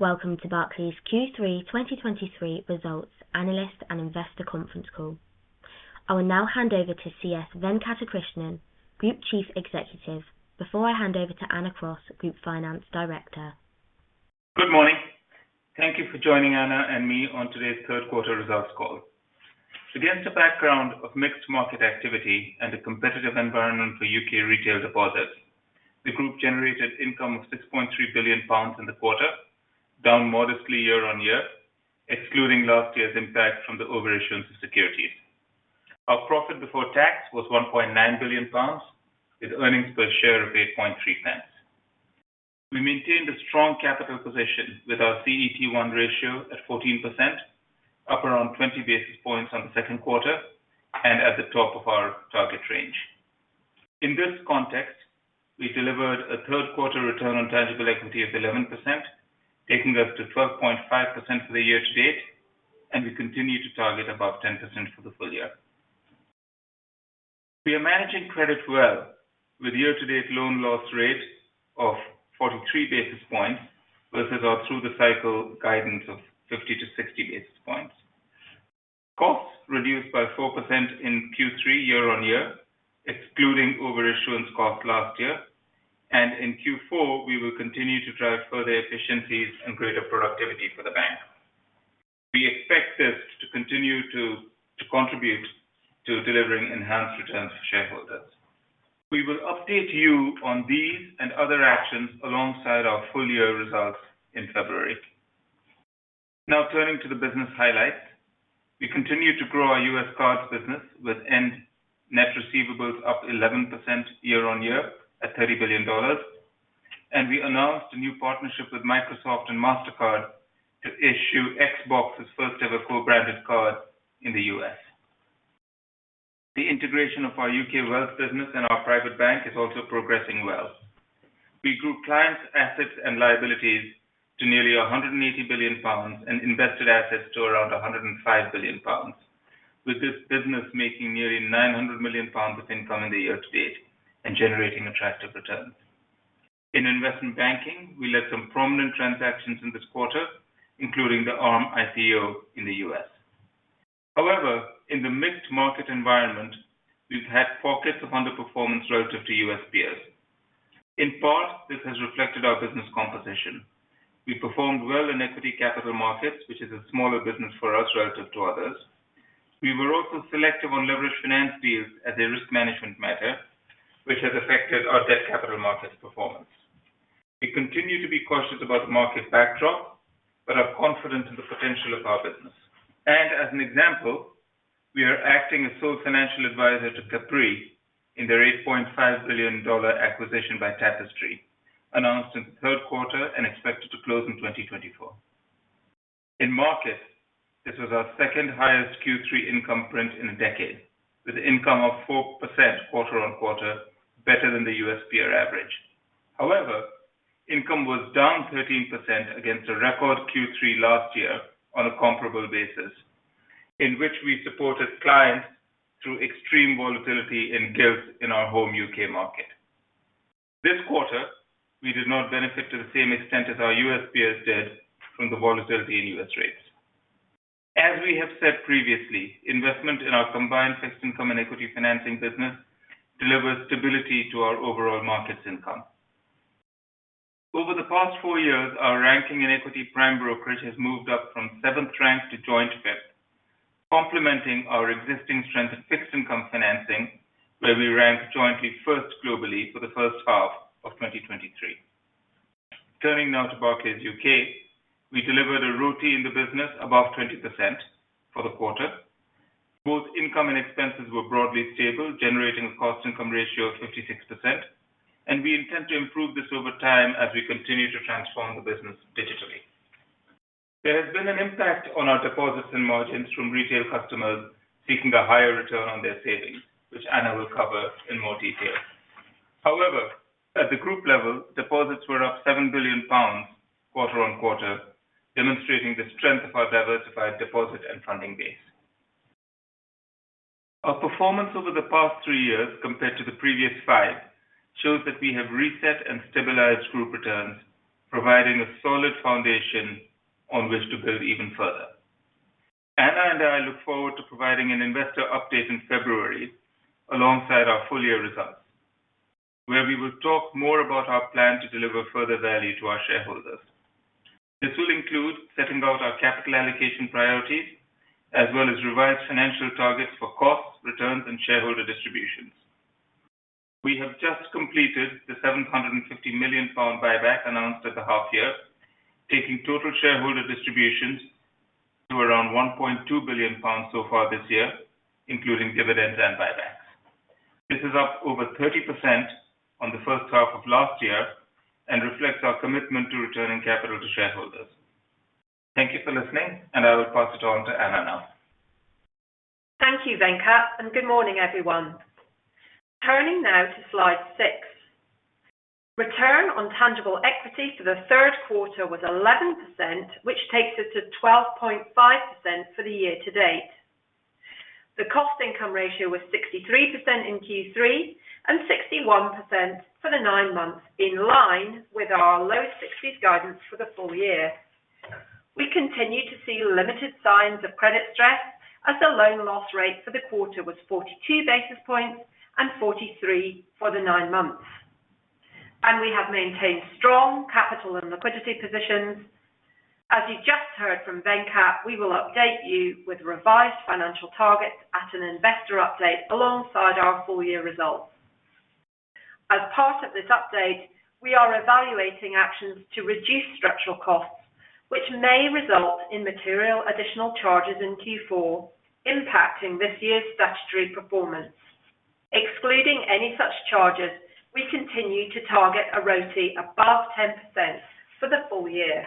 Welcome to Barclays Q3 2023 Results Analyst and Investor Conference Call. I will now hand over to C.S. Venkatakrishnan, Group Chief Executive, before I hand over to Anna Cross, Group Finance Director. Good morning. Thank you for joining Anna and me on today's third quarter results call. Against a background of mixed market activity and a competitive environment for U.K. retail deposits, the group generated income of 6.3 billion pounds in the quarter, down modestly year-on-year, excluding last year's impact from the overissuance of securities. Our profit before tax was 1.9 billion pounds, with earnings per share of 0.083. We maintained a strong capital position with our CET1 ratio at 14%, up around 20 basis points on the second quarter and at the top of our target range. In this context, we delivered a third quarter return on tangible equity of 11%, taking us to 12.5% for the year-to-date, and we continue to target above 10% for the full year. We are managing credit well, with year-to-date loan loss rate of 43 basis points, versus our through the cycle guidance of 50-60 basis points. Costs reduced by 4% in Q3 year-on-year, excluding overissuance costs last year, and in Q4, we will continue to drive further efficiencies and greater productivity for the bank. We expect this to continue to contribute to delivering enhanced returns for shareholders. We will update you on these and other actions alongside our full year results in February. Now turning to the business highlights. We continue to grow our U.S. Cards business, with end net receivables up 11% year-on-year at $30 billion, and we announced a new partnership with Microsoft and Mastercard to issue Xbox's first-ever co-branded card in the U.S. The integration of our U.K. Wealth business and our Private Bank is also progressing well. We grew clients' assets and liabilities to nearly 180 billion pounds and invested assets to around 105 billion pounds, with this business making nearly 900 million pounds of income in the year to date and generating attractive returns. In Investment Banking, we led some prominent transactions in this quarter, including the Arm IPO in the U.S. However, in the mixed market environment, we've had pockets of underperformance relative to U.S. peers. In part, this has reflected our business composition. We performed well in equity capital markets, which is a smaller business for us relative to others. We were also selective on leveraged finance deals as a risk management matter, which has affected our debt capital markets performance. We continue to be cautious about the market backdrop, but are confident in the potential of our business. As an example, we are acting as sole financial advisor to Capri in their $8.5 billion acquisition by Tapestry, announced in the third quarter and expected to close in 2024. In markets, this was our second highest Q3 income print in a decade, with income off 4% quarter-on-quarter, better than the U.S. peer average. However, income was down 13% against a record Q3 last year on a comparable basis, in which we supported clients through extreme volatility in gilts in our home U.K. market. This quarter, we did not benefit to the same extent as our U.S. peers did from the volatility in U.S. rates. As we have said previously, investment in our combined fixed income and equity financing business delivers stability to our overall markets income. Over the past four years, our ranking in equity prime brokerage has moved up from 7th rank to joint 5th, complementing our existing strength in fixed income financing, where we ranked jointly 1st globally for the first half of 2023. Turning now to Barclays U.K., we delivered a ROTE in the business above 20% for the quarter. Both income and expenses were broadly stable, generating a cost income ratio of 56%, and we intend to improve this over time as we continue to transform the business digitally. There has been an impact on our deposits and margins from retail customers seeking a higher return on their savings, which Anna will cover in more detail. However, at the group level, deposits were up 7 billion pounds quarter-on-quarter, demonstrating the strength of our diversified deposit and funding base. Our performance over the past three years compared to the previous five, shows that we have reset and stabilized group returns, providing a solid foundation on which to build even further. Anna and I look forward to providing an investor update in February alongside our full year results, where we will talk more about our plan to deliver further value to our shareholders. This will include setting out our capital allocation priorities, as well as revised financial targets for costs, returns, and shareholder distributions. We have just completed the 750 million pound buyback announced at the half year, taking total shareholder distributions to around 1.2 billion pounds so far this year, including dividends and buybacks. This is up over 30% on the first half of last year and reflects our commitment to returning capital to shareholders. Thank you for listening, and I will pass it on to Anna now. Thank you, Venkat, and good morning, everyone. Turning now to slide six. Return on tangible equity for the third quarter was 11%, which takes us to 12.5% for the year-to-date. The cost income ratio was 63% in Q3, and 61% for the nine months, in line with our low 60s guidance for the full year. We continue to see limited signs of credit stress, as the loan loss rate for the quarter was 42 basis points and 43 for the nine months. We have maintained strong capital and liquidity positions. As you just heard from Venkat, we will update you with revised financial targets at an investor update alongside our full year results. As part of this update, we are evaluating actions to reduce structural costs, which may result in material additional charges in Q4, impacting this year's statutory performance. Excluding any such charges, we continue to target a ROTE above 10% for the full year.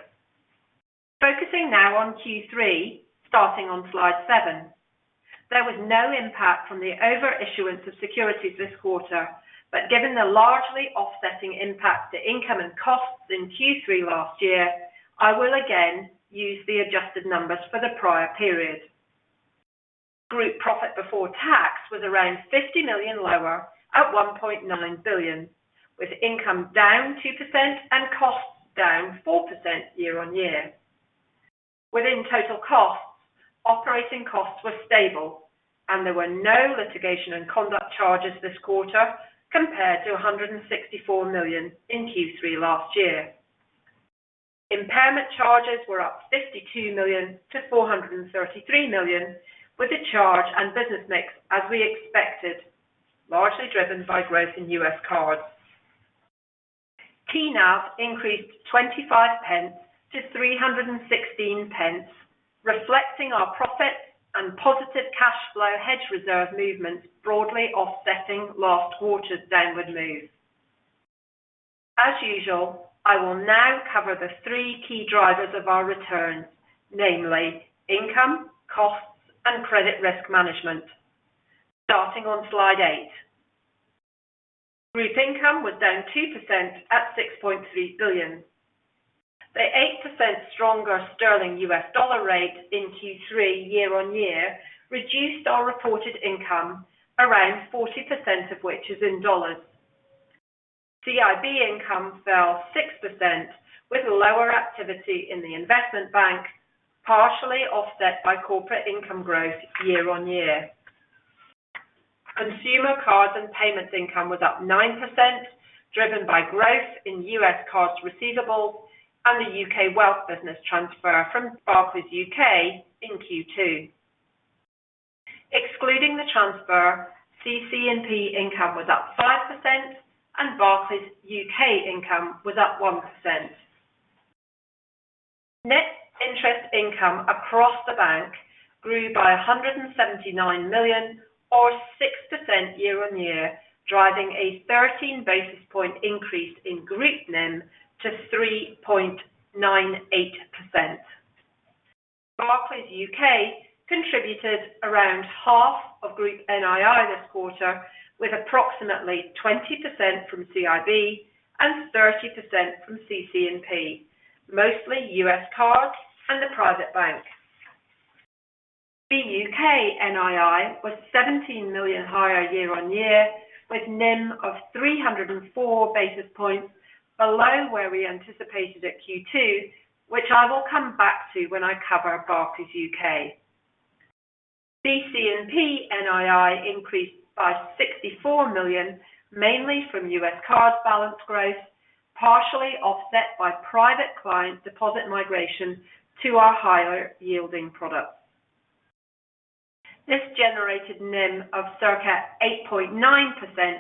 Focusing now on Q3, starting on slide seven. There was no impact from the overissuance of securities this quarter, but given the largely offsetting impact to income and costs in Q3 last year, I will again use the adjusted numbers for the prior period. Group profit before tax was around 50 million lower at 1.9 billion, with income down 2% and costs down 4% year-on-year. Within total costs, operating costs were stable, and there were no litigation and conduct charges this quarter compared to 164 million in Q3 last year. Impairment charges were up 52 million to 433 million, with a charge and business mix as we expected, largely driven by growth in U.S. Cards. TNAV now increased 0.25 to 3.16, reflecting our profits and positive cash flow hedge reserve movements, broadly offsetting last quarter's downward move. As usual, I will now cover the three key drivers of our return, namely income, costs, and credit risk management. Starting on slide eight. Group income was down 2% at 6.3 billion. The 8% stronger sterling U.S. dollar rate in Q3, year-on-year, reduced our reported income, around 40% of which is in dollars. CIB income fell 6%, with lower activity in the Investment Bank, partially offset by corporate income growth year-on-year. Consumer, Cards and Payments income was up 9%, driven by growth in U.S. card receivables and the U.K. Wealth business transfer from Barclays U.K. in Q2. Excluding the transfer, CC&P income was up 5% and Barclays U.K. income was up 1%. Net interest income across the bank grew by 179 million or 6% year-on-year, driving a 13 basis point increase in group NIM to 3.98%. Barclays U.K. contributed around half of group NII this quarter, with approximately 20% from CIB and 30% from CC&P, mostly U.S. Cards and the Private Bank. The U.K. NII was 17 million higher year-on-year, with NIM of 304 basis points below where we anticipated at Q2, which I will come back to when I cover Barclays U.K. CC&P NII increased by 64 million, mainly from U.S. card balance growth, partially offset by private client deposit migration to our higher yielding products. This generated NIM of circa 8.9%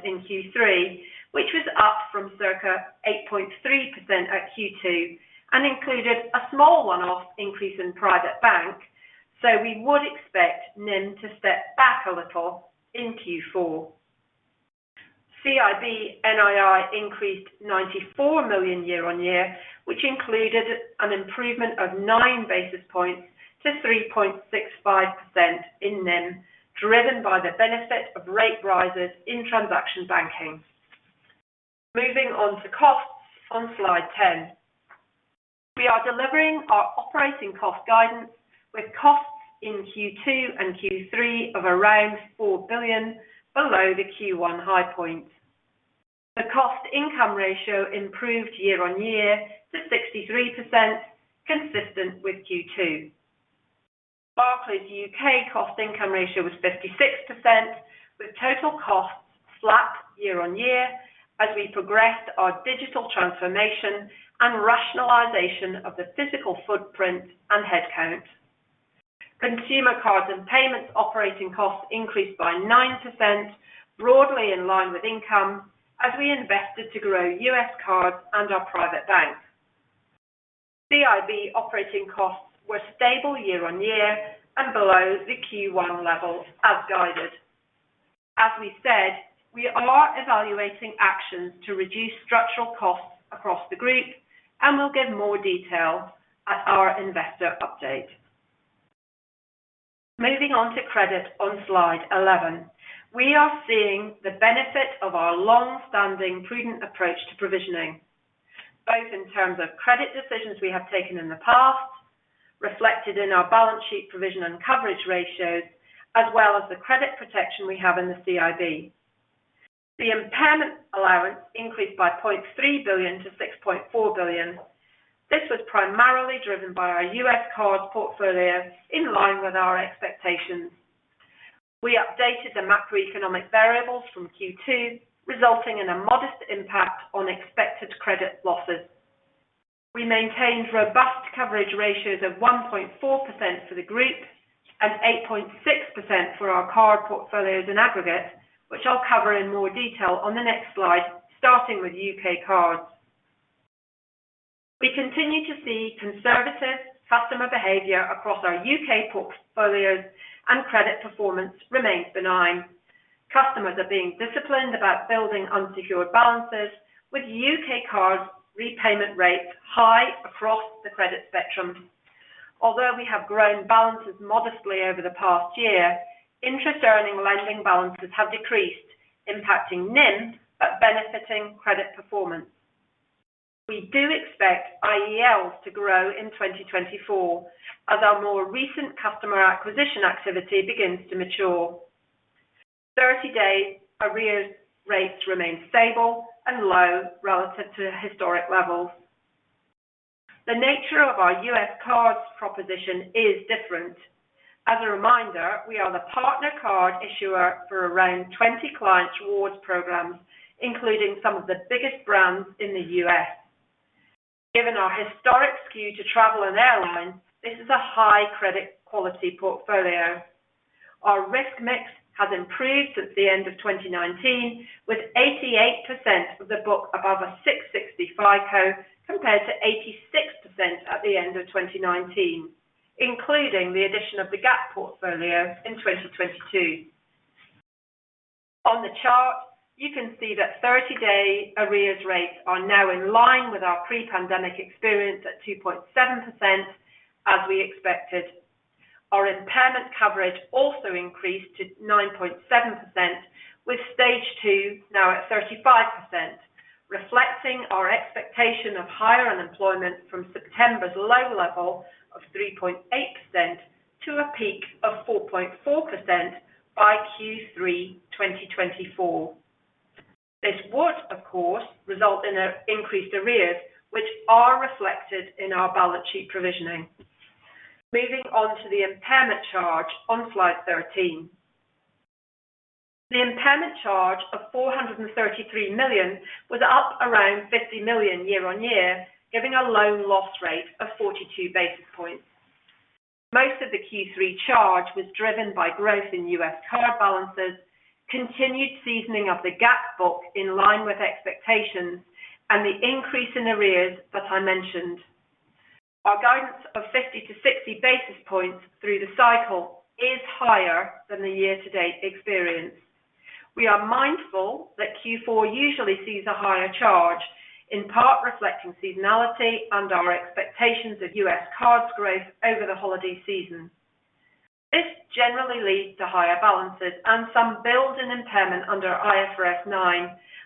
in Q3, which was up from circa 8.3% at Q2, and included a small one-off increase in Private Bank, so we would expect NIM to step back a little in Q4. CIB NII increased 94 million year-on-year, which included an improvement of 9 basis points to 3.65% in NIM, driven by the benefit of rate rises in transaction banking. Moving on to costs on slide 10. We are delivering our operating cost guidance, with costs in Q2 and Q3 of around 4 billion below the Q1 high point. The cost income ratio improved year-on-year to 63%, consistent with Q2. Barclays U.K. cost income ratio was 56%, with total costs flat year-on-year as we progressed our digital transformation and rationalization of the physical footprint and headcount. Consumer, Cards and Payments operating costs increased by 9%, broadly in line with income as we invested to grow U.S. Cards and our Private Bank. CIB operating costs were stable year-on-year and below the Q1 levels as guided. As we said, we are evaluating actions to reduce structural costs across the group, and we'll give more detail at our investor update. Moving on to credit on slide 11. We are seeing the benefit of our long-standing prudent approach to provisioning, both in terms of credit decisions we have taken in the past, reflected in our balance sheet provision and coverage ratios, as well as the credit protection we have in the CIB. The impairment allowance increased by 0.3 billion to 6.4 billion. This was primarily driven by our U.S. card portfolio, in line with our expectations. We updated the macroeconomic variables from Q2, resulting in a modest impact on expected credit losses. We maintained robust coverage ratios of 1.4% for the group and 8.6% for our card portfolios in aggregate, which I'll cover in more detail on the next slide, starting with U.K. cards. We continue to see conservative customer behavior across our U.K. portfolios, and credit performance remains benign. Customers are being disciplined about building unsecured balances, with U.K. card repayment rates high across the credit spectrum. Although we have grown balances modestly over the past year, interest earning lending balances have decreased, impacting NIM, but benefiting credit performance. We do expect IELs to grow in 2024, as our more recent customer acquisition activity begins to mature. 30-day arrears rates remain stable and low relative to historic levels. The nature of our U.S. Cards proposition is different. As a reminder, we are the partner card issuer for around 20 client rewards programs, including some of the biggest brands in the U.S. Given our historic skew to travel and airlines, this is a high credit quality portfolio. Our risk mix has improved since the end of 2019, with 88% of the book above a 660 FICO, compared to 86% at the end of 2019, including the addition of the Gap portfolio in 2022. On the chart, you can see that 30-day arrears rates are now in line with our pre-pandemic experience at 2.7%, as we expected. Our impairment coverage also increased to 9.7%, with stage two now at 35%, reflecting our expectation of higher unemployment from September's low level of 3.8% to a peak of 4.4% by Q3 2024. This would, of course, result in an increased arrears, which are reflected in our balance sheet provisioning. Moving on to the impairment charge on slide 13. The impairment charge of 433 million was up around 50 million year-on-year, giving a loan loss rate of 42 basis points. Most of the Q3 charge was driven by growth in U.S. card balances, continued seasoning of the Gap book in line with expectations, and the increase in arrears that I mentioned. Our guidance of 50-60 basis points through the cycle is higher than the year-to-date experience. We are mindful that Q4 usually sees a higher charge, in part reflecting seasonality and our expectations of U.S. Cards growth over the holiday season. This generally leads to higher balances and some build in impairment under IFRS 9,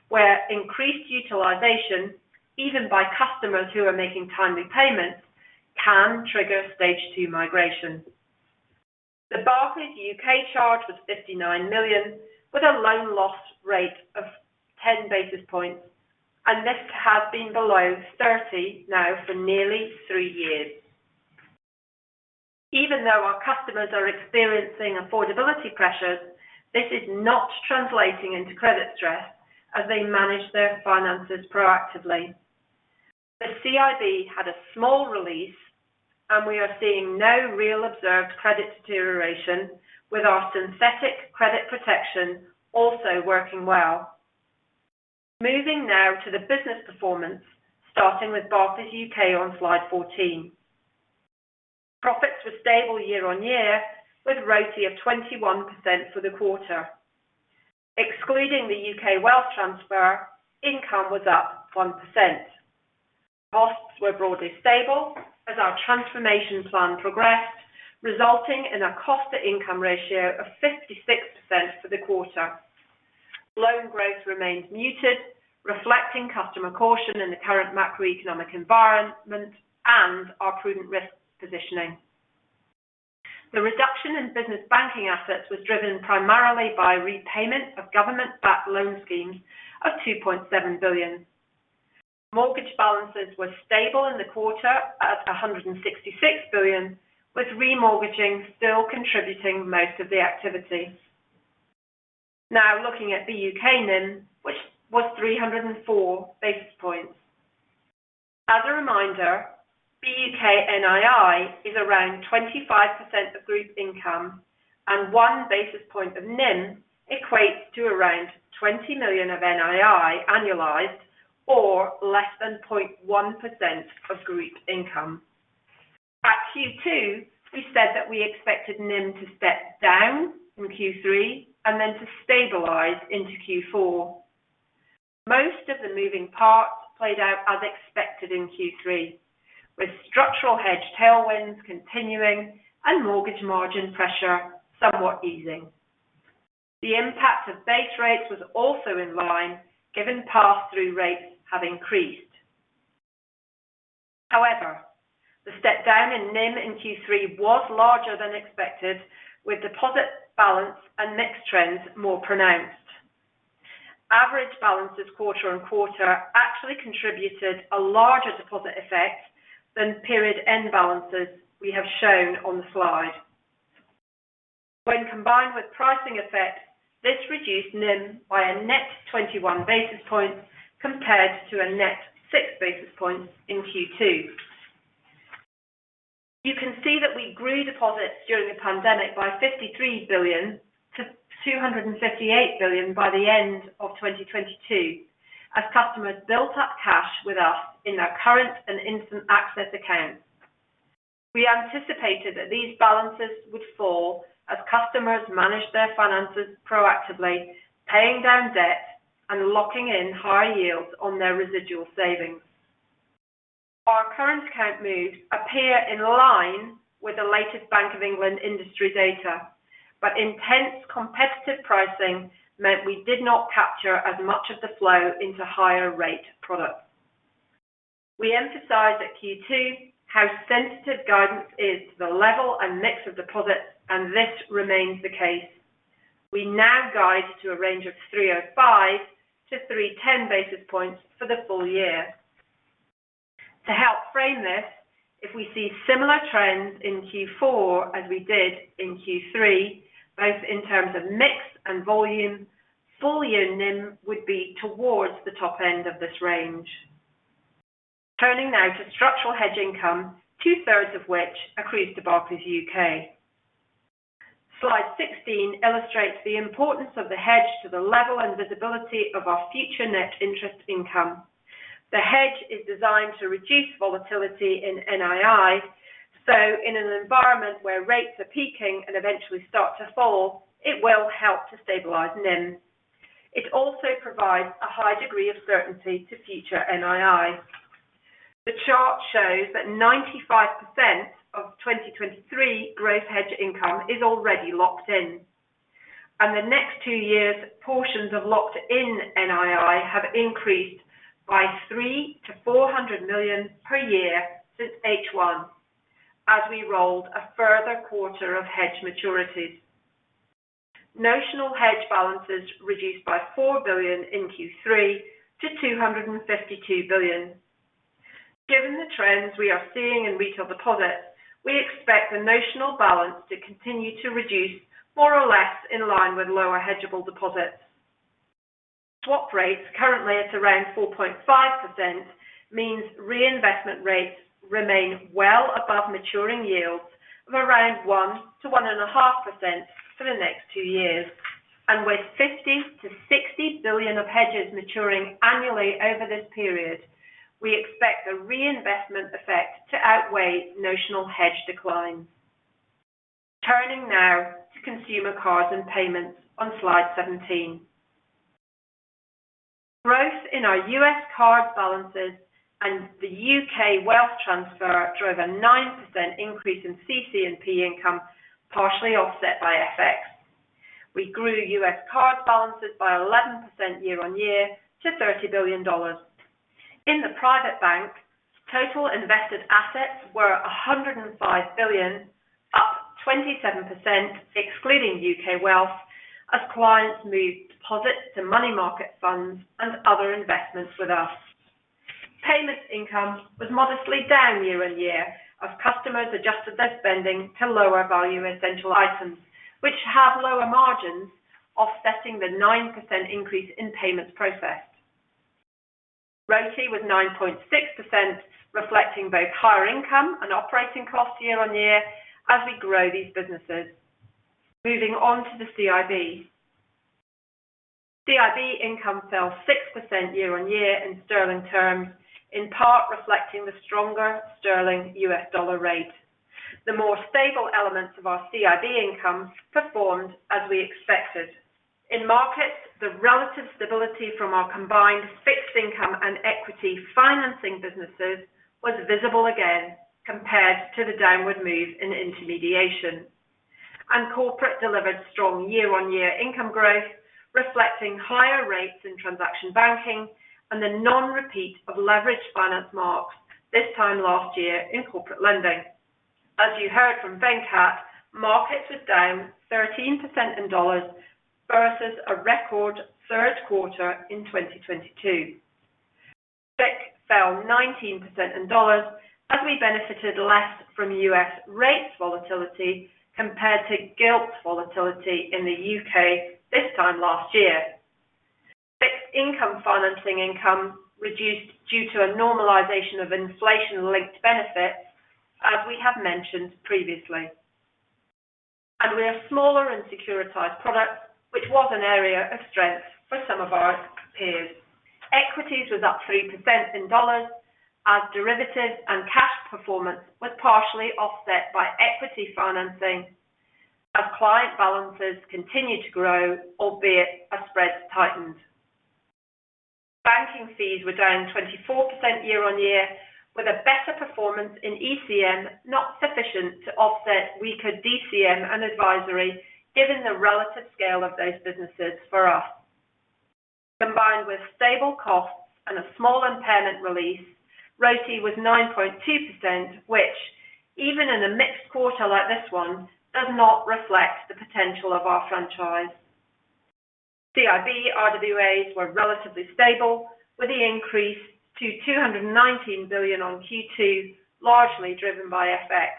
where increased utilization, even by customers who are making timely payments, can trigger stage two migration. The Barclays U.K. charge was 59 million, with a loan loss rate of ten basis points, and this has been below 30 now for nearly three years. Even though our customers are experiencing affordability pressures, this is not translating into credit stress as they manage their finances proactively. The CIB had a small release, and we are seeing no real observed credit deterioration, with our synthetic credit protection also working well. Moving now to the business performance, starting with Barclays U.K. on slide 14. Profits were stable year-over-year, with ROTE of 21% for the quarter. Excluding the U.K. Wealth transfer, income was up 1%. Costs were broadly stable as our transformation plan progressed, resulting in a cost-to-income ratio of 56% for the quarter. Loan growth remains muted, reflecting customer caution in the current macroeconomic environment and our prudent risk positioning. The reduction in business banking assets was driven primarily by repayment of government-backed loan schemes of GBP 2.7 billion. Mortgage balances were stable in the quarter at GBP 166 billion, with remortgaging still contributing most of the activity. Now looking at the U.K. NIM, which was 304 basis points. As a reminder, the U.K. NII is around 25% of group income, and one basis point of NIM equates to around 20 million of NII annualized or less than 0.1% of group income. At Q2, we said that we expected NIM to step down from Q3 and then to stabilize into Q4. Most of the moving parts played out as expected in Q3, with structural hedge tailwinds continuing and mortgage margin pressure somewhat easing. The impact of base rates was also in line, given pass-through rates have increased. However, the step down in NIM in Q3 was larger than expected, with deposit balance and mix trends more pronounced. Average balances quarter-on-quarter actually contributed a larger deposit effect than period-end balances we have shown on the slide. When combined with pricing effect, this reduced NIM by a net 21 basis points compared to a net 6 basis points in Q2. You can see that we grew deposits during the pandemic by 53 billion to 258 billion by the end of 2022, as customers built up cash with us in their current and instant access accounts. We anticipated that these balances would fall as customers managed their finances proactively, paying down debt and locking in high yields on their residual savings. Our current account moves appear in line with the latest Bank of England industry data, but intense competitive pricing meant we did not capture as much of the flow into higher rate products. We emphasized at Q2 how sensitive guidance is to the level and mix of deposits, and this remains the case. We now guide to a range of 305-310 basis points for the full year. To help frame this, if we see similar trends in Q4 as we did in Q3, both in terms of mix and volume, full year NIM would be towards the top end of this range. Turning now to structural hedge income, 2/3 of which accrues to Barclays U.K. Slide 16 illustrates the importance of the hedge to the level and visibility of our future net interest income. The hedge is designed to reduce volatility in NII, so in an environment where rates are peaking and eventually start to fall, it will help to stabilize NIM. It also provides a high degree of certainty to future NII. The chart shows that 95% of 2023 growth hedge income is already locked in, and the next two years, portions of locked-in NII have increased by 300 million-400 million per year since H1, as we rolled a further quarter of hedge maturities. Notional hedge balances reduced by 4 billion in Q3 to 252 billion. Given the trends we are seeing in retail deposits, we expect the notional balance to continue to reduce more or less in line with lower hedgeable deposits. Swap rates, currently at around 4.5%, means reinvestment rates remain well above maturing yields of around 1%-1.5% for the next two years. And with 50-60 billion of hedges maturing annually over this period, we expect the reinvestment effect to outweigh notional hedge declines. Turning now to Consumer, Cards and Payments on slide 17. Growth in our U.S. card balances and the U.K. Wealth transfer drove a 9% increase in CC&P income, partially offset by FX. We grew U.S. card balances by 11% year-over-year to $30 billion. In the Private Bank, total invested assets were 105 billion, up 27%, excluding U.K. Wealth, as clients moved deposits to money market funds and other investments with us. Payments income was modestly down year-on-year as customers adjusted their spending to lower value essential items, which have lower margins, offsetting the 9% increase in payments processed. ROTE was 9.6%, reflecting both higher income and operating costs year-on-year as we grow these businesses. Moving on to the CIB. CIB income fell 6% year-on-year in sterling terms, in part reflecting the stronger sterling U.S. dollar rate. The more stable elements of our CIB income performed as we expected. In markets, the relative stability from our combined fixed income and equity financing businesses was visible again, compared to the downward move in intermediation. Corporate delivered strong year-on-year income growth, reflecting higher rates in transaction banking and the non-repeat of leveraged finance marks this time last year in corporate lending. As you heard from Venkat, markets were down 13% in dollars versus a record third quarter in 2022. FICC fell 19% in dollars, as we benefited less from U.S. rates volatility compared to gilt volatility in the U.K. this time last year. Fixed income financing income reduced due to a normalization of inflation-linked benefits, as we have mentioned previously. And we have smaller and securitized products, which was an area of strength for some of our peers. Equities was up 3% in dollars, as derivatives and cash performance was partially offset by equity financing as client balances continued to grow, albeit as spreads tightened. Banking fees were down 24% year-on-year, with a better performance in ECM, not sufficient to offset weaker DCM and advisory, given the relative scale of those businesses for us. Combined with stable costs and a small impairment release, ROTE was 9.2%, which even in a mixed quarter like this one, does not reflect the potential of our franchise. CIB RWAs were relatively stable, with the increase to 219 billion on Q2, largely driven by FX.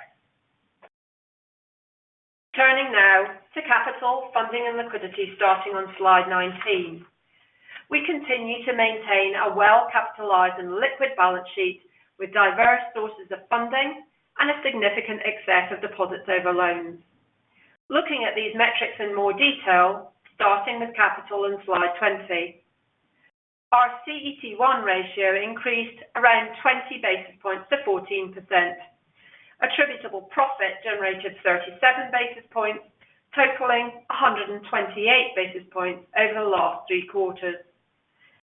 Turning now to capital funding and liquidity, starting on slide 19. We continue to maintain a well-capitalized and liquid balance sheet with diverse sources of funding and a significant excess of deposits over loans. Looking at these metrics in more detail, starting with capital on slide 20. Our CET1 ratio increased around 20 basis points to 14%. Attributable profit generated 37 basis points, totaling 128 basis points over the last three quarters.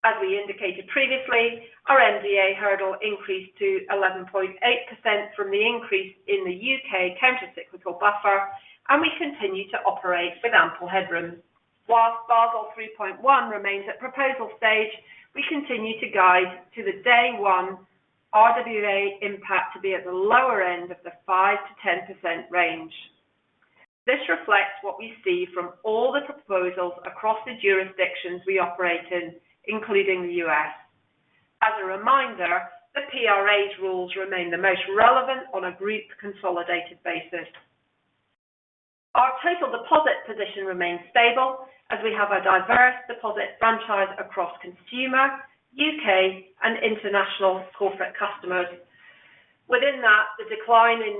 As we indicated previously, our MDA hurdle increased to 11.8% from the increase in the U.K. countercyclical buffer, and we continue to operate with ample headroom. While Basel 3.1 remains at proposal stage, we continue to guide to the day one RWA impact to be at the lower end of the 5%-10% range. This reflects what we see from all the proposals across the jurisdictions we operate in, including the U.S. As a reminder, the PRA's rules remain the most relevant on a group consolidated basis. Our total deposit position remains stable as we have a diverse deposit franchise across consumer, U.K., and international corporate customers. Within that, the decline in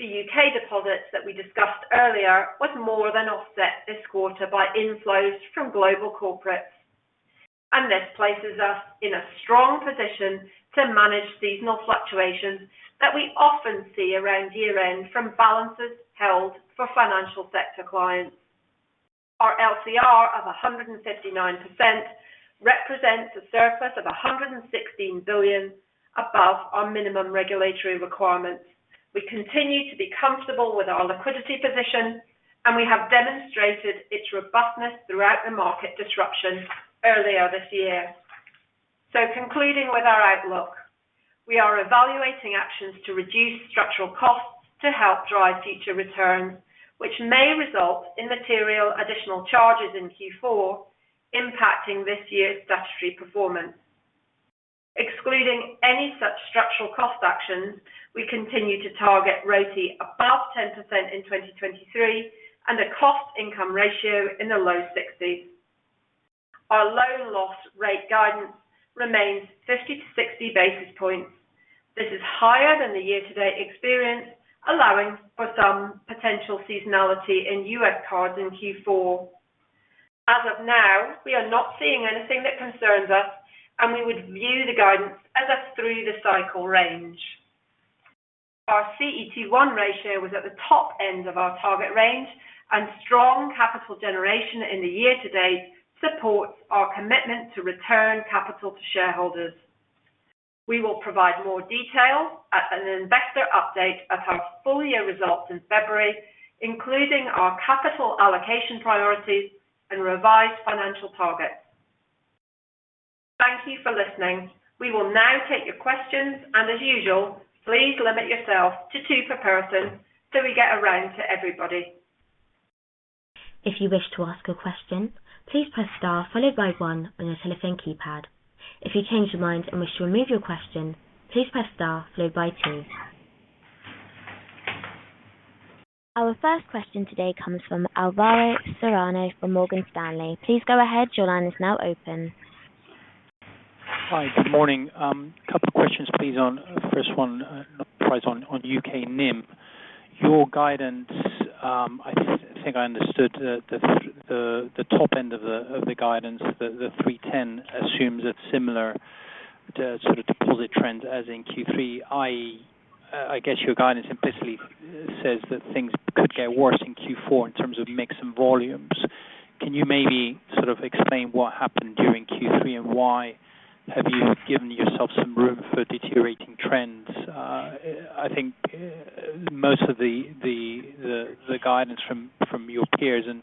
the U.K. deposits that we discussed earlier was more than offset this quarter by inflows from global corporates, and this places us in a strong position to manage seasonal fluctuations that we often see around year-end from balances held for financial sector clients. Our LCR of 159% represents a surplus of 116 billion above our minimum regulatory requirements. We continue to be comfortable with our liquidity position, and we have demonstrated its robustness throughout the market disruption earlier this year. So concluding with our outlook, we are evaluating actions to reduce structural costs to help drive future returns, which may result in material additional charges in Q4, impacting this year's statutory performance. Excluding any such structural cost actions, we continue to target ROTE above 10% in 2023, and a cost income ratio in the low 60s. Our loan loss rate guidance remains 50-60 basis points. This is higher than the year-to-date experience, allowing for some potential seasonality in U.S. Cards in Q4. As of now, we are not seeing anything that concerns us, and we would view the guidance as a through the cycle range. Our CET1 ratio was at the top end of our target range, and strong capital generation in the year-to-date supports our commitment to return capital to shareholders. We will provide more detail at an investor update of our full year results in February, including our capital allocation priorities and revised financial targets. Thank you for listening. We will now take your questions, and as usual, please limit yourself to two per person, so we get around to everybody. If you wish to ask a question, please press star followed by one on your telephone keypad. If you change your mind and wish to remove your question, please press star followed by two. Our first question today comes from Alvaro Serrano from Morgan Stanley. Please go ahead. Your line is now open. Hi, good morning. A couple of questions, please, on... First one, pricing on U.K. NIM. Your guidance, I think I understood the top end of the guidance, the 310 assumes a similar sort of deposit trend as in Q3. I guess your guidance implicitly says that things could get worse in Q4 in terms of mix and volumes. Can you maybe sort of explain what happened during Q3, and why have you given yourself some room for deteriorating trends? I think most of the guidance from your peers and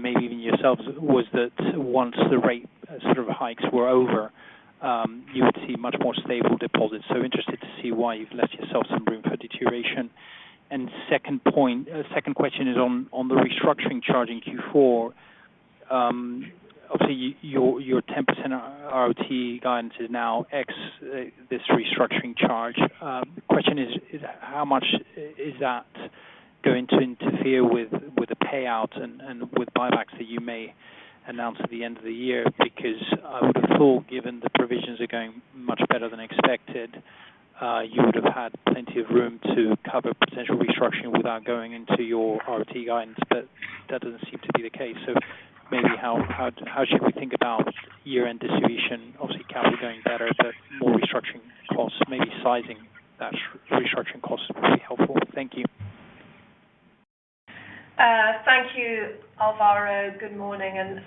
maybe even yourselves was that once the rate sort of hikes were over, you would see much more stable deposits. So interested to see why you've left yourself some room for deterioration. Second point, second question is on the restructuring charge in Q4. Obviously, your 10% ROTE guidance is now ex this restructuring charge. The question is, how much is that going to interfere with the payout and with buybacks that you may announce at the end of the year? Because I would have thought, given the provisions are going much better than expected, you would have had plenty of room to cover potential restructuring without going into your ROTE guidance, but that doesn't seem to be the case. Maybe how should we think about year-end distribution? Obviously, capital is going better, but more restructuring costs, maybe sizing that restructuring cost would be helpful. Thank you. ... Alvaro, good morning, and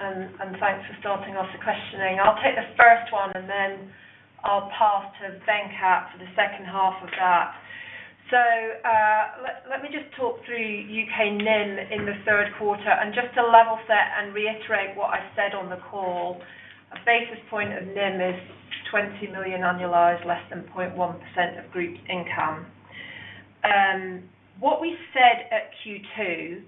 thanks for starting off the questioning. I'll take the first one, and then I'll pass to Venkat for the second half of that. So, let me just talk through U.K. NIM in the third quarter, and just to level set and reiterate what I said on the call, a basis point of NIM is 20 million annualized, less than 0.1% of group income. What we said at Q2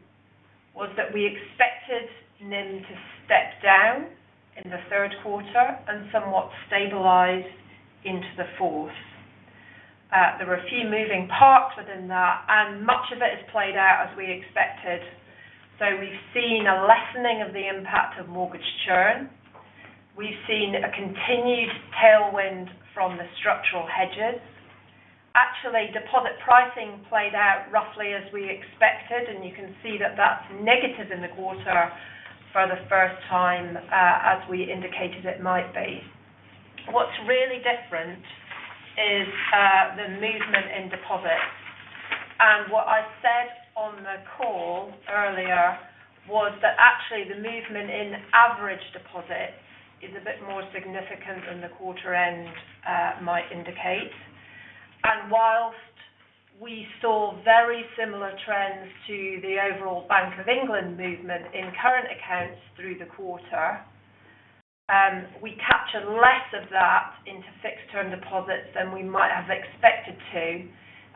was that we expected NIM to step down in the third quarter and somewhat stabilize into the fourth. There were a few moving parts within that, and much of it is played out as we expected. So we've seen a lessening of the impact of mortgage churn. We've seen a continued tailwind from the structural hedges. Actually, deposit pricing played out roughly as we expected, and you can see that that's negative in the quarter for the first time, as we indicated it might be. What's really different is the movement in deposits. And what I said on the call earlier was that actually the movement in average deposits is a bit more significant than the quarter end might indicate. And while we saw very similar trends to the overall Bank of England movement in current accounts through the quarter, we captured less of that into fixed-term deposits than we might have expected to,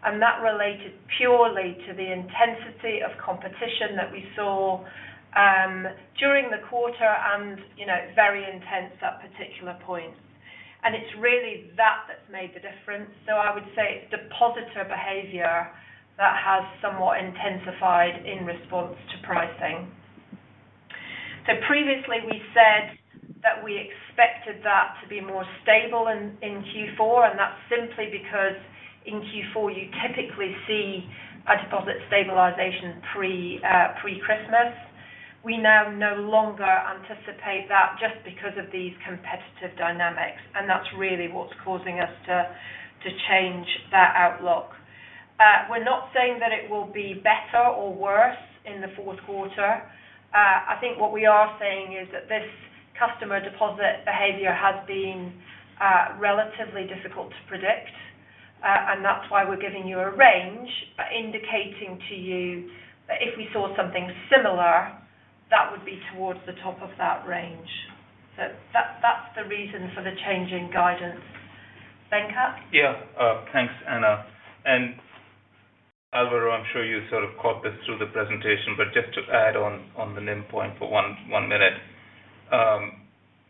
and that related purely to the intensity of competition that we saw during the quarter and, you know, very intense at particular points. And it's really that that's made the difference. So I would say it's depositor behavior that has somewhat intensified in response to pricing. So previously, we said that we expected that to be more stable in Q4, and that's simply because in Q4, you typically see a deposit stabilization pre-Christmas. We now no longer anticipate that just because of these competitive dynamics, and that's really what's causing us to change that outlook. We're not saying that it will be better or worse in the fourth quarter. I think what we are saying is that this customer deposit behavior has been relatively difficult to predict, and that's why we're giving you a range, but indicating to you that if we saw something similar, that would be towards the top of that range. So that, that's the reason for the change in guidance. Venkat? Yeah, thanks, Anna. And Alvaro, I'm sure you sort of caught this through the presentation, but just to add on, on the NIM point for one minute.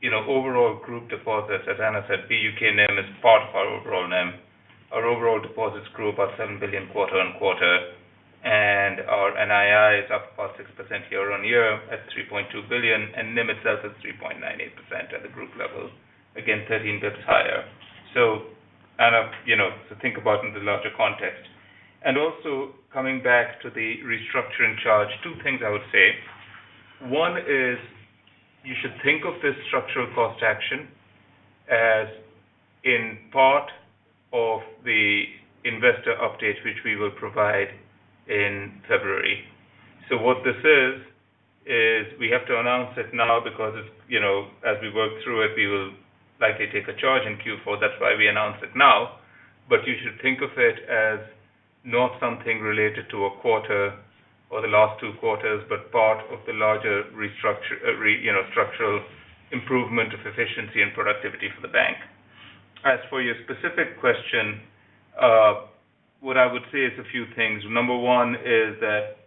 You know, overall group deposits, as Anna said, B.U.K. NIM is part of our overall NIM. Our overall deposits grew about 7 billion quarter-on-quarter, and our NII is up about 6% year-on-year at 3.2 billion, and NIM itself is 3.98% at the group level. Again, 13 basis points higher. So Anna, you know, to think about in the larger context. And also coming back to the restructuring charge, two things I would say. One is you should think of this structural cost action as in part of the investor update, which we will provide in February. So what this is, is we have to announce it now because it's... You know, as we work through it, we will likely take a charge in Q4. That's why we announce it now. But you should think of it as not something related to a quarter or the last two quarters, but part of the larger restructure, you know, structural improvement of efficiency and productivity for the bank. As for your specific question, what I would say is a few things. Number one is that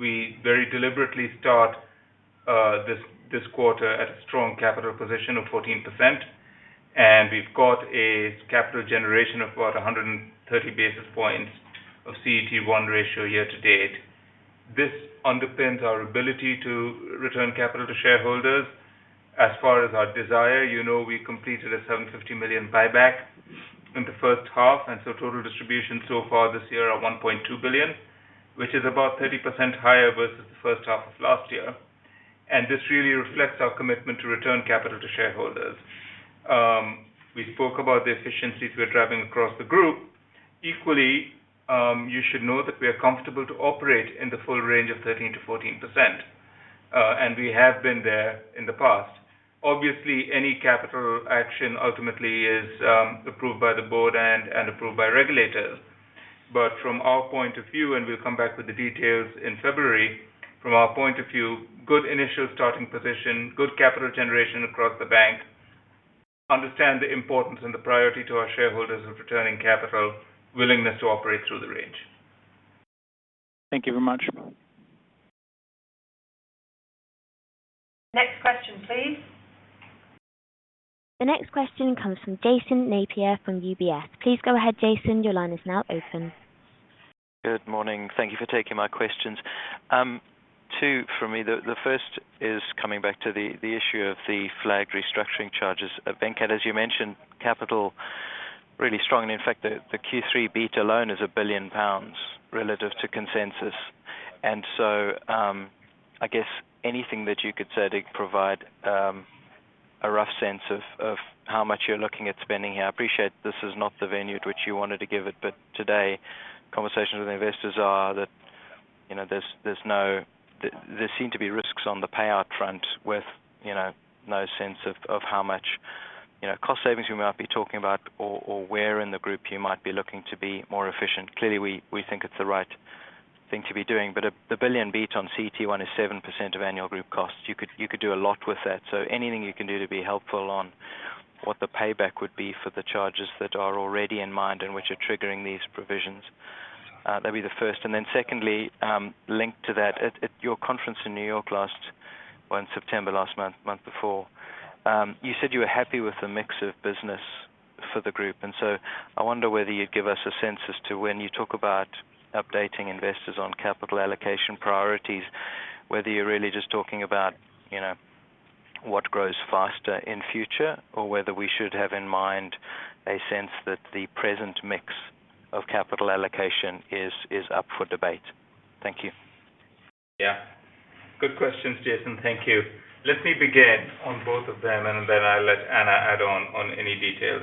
we very deliberately start this, this quarter at a strong capital position of 14%, and we've got a capital generation of about 130 basis points of CET1 ratio year to date. This underpins our ability to return capital to shareholders. As far as our desire, you know, we completed a 750 million buyback in the first half, and so total distribution so far this year are 1.2 billion, which is about 30% higher versus the first half of last year. This really reflects our commitment to return capital to shareholders. We spoke about the efficiencies we are driving across the group. Equally, you should know that we are comfortable to operate in the full range of 13%-14%, and we have been there in the past. Obviously, any capital action ultimately is approved by the board and approved by regulators. But from our point of view, and we'll come back with the details in February, from our point of view, good initial starting position, good capital generation across the bank, understand the importance and the priority to our shareholders of returning capital, willingness to operate through the range. Thank you very much. Next question, please. The next question comes from Jason Napier from UBS. Please go ahead, Jason, your line is now open. Good morning. Thank you for taking my questions. Two for me. The first is coming back to the issue of the flagged restructuring charges. Venkat, as you mentioned, capital really strong, and in fact, the Q3 beat alone is 1 billion pounds relative to consensus. And so, I guess anything that you could say to provide a rough sense of how much you're looking at spending here. I appreciate this is not the venue at which you wanted to give it, but today, conversations with investors are that, you know, there seem to be risks on the payout front with, you know, no sense of how much, you know, cost savings you might be talking about or where in the group you might be looking to be more efficient. Clearly, we think it's the right thing to be doing, but the 1 billion beat on CET1 is 7% of annual group costs. You could do a lot with that. So anything you can do to be helpful on what the payback would be for the charges that are already in mind and which are triggering these provisions, that'd be the first. And then secondly, linked to that, at your conference in New York last... Well, in September, last month, month before, you said you were happy with the mix of business for the group. I wonder whether you'd give us a sense as to when you talk about updating investors on capital allocation priorities, whether you're really just talking about, you know, what grows faster in future, or whether we should have in mind a sense that the present mix of capital allocation is, is up for debate. Thank you. Yeah. Good questions, Jason. Thank you. Let me begin on both of them, and then I'll let Anna add on any details.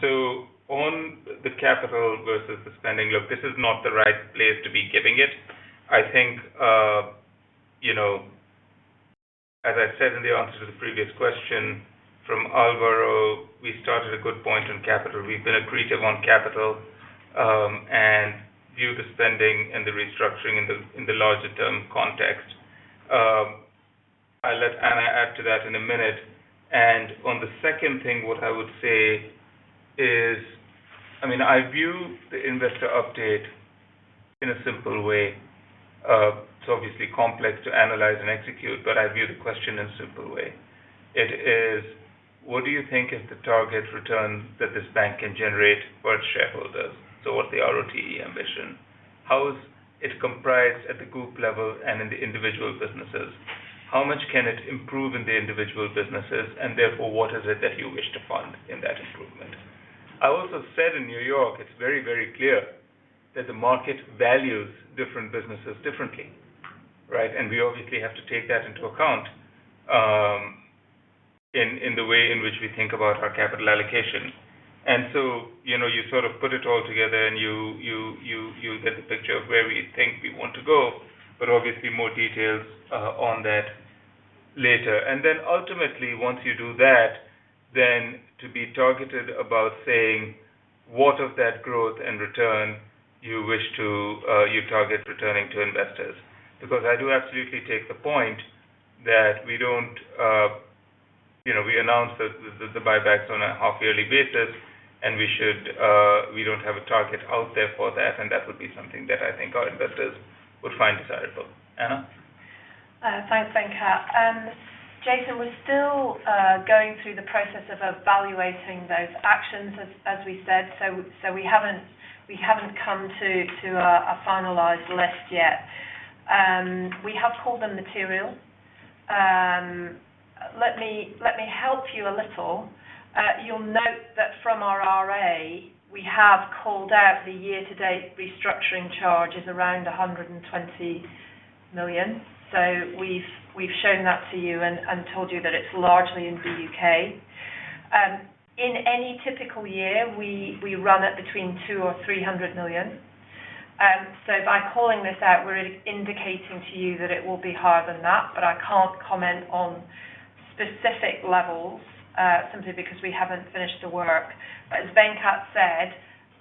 So on the capital versus the spending, look, this is not the right place to be giving it. I think, you know, as I said in the answer to the previous question from Alvaro, we started a good point on capital. We've been accretive on capital, and view the spending and the restructuring in the larger term context. I'll let Anna add to that in a minute. And on the second thing, what I would say is, I mean, I view the investor update in a simple way. It's obviously complex to analyze and execute, but I view the question in a simple way. It is: What do you think is the target return that this bank can generate for its shareholders? So what's the ROTE ambition? How is it comprised at the group level and in the individual businesses? How much can it improve in the individual businesses, and therefore, what is it that you wish to fund in that improvement? I also said in New York, it's very, very clear that the market values different businesses differently, right? And we obviously have to take that into account in the way in which we think about our capital allocation. And so, you know, you sort of put it all together and you get the picture of where we think we want to go, but obviously more details on that later. And then ultimately, once you do that, then to be targeted about saying, what of that growth and return you wish to, you target returning to investors. Because I do absolutely take the point that we don't, you know, we announce the buybacks on a half yearly basis, and we should, we don't have a target out there for that, and that would be something that I think our investors would find desirable. Anna? Thanks, Venkat. Jason, we're still going through the process of evaluating those actions, as we said. So we haven't come to a finalized list yet. We have called them material. Let me help you a little. You'll note that from our RA, we have called out the year-to-date restructuring charge is around 120 million. So we've shown that to you and told you that it's largely in the U.K. In any typical year, we run at between 200 million and 300 million. So by calling this out, we're indicating to you that it will be higher than that, but I can't comment on specific levels, simply because we haven't finished the work. But as Venkat said,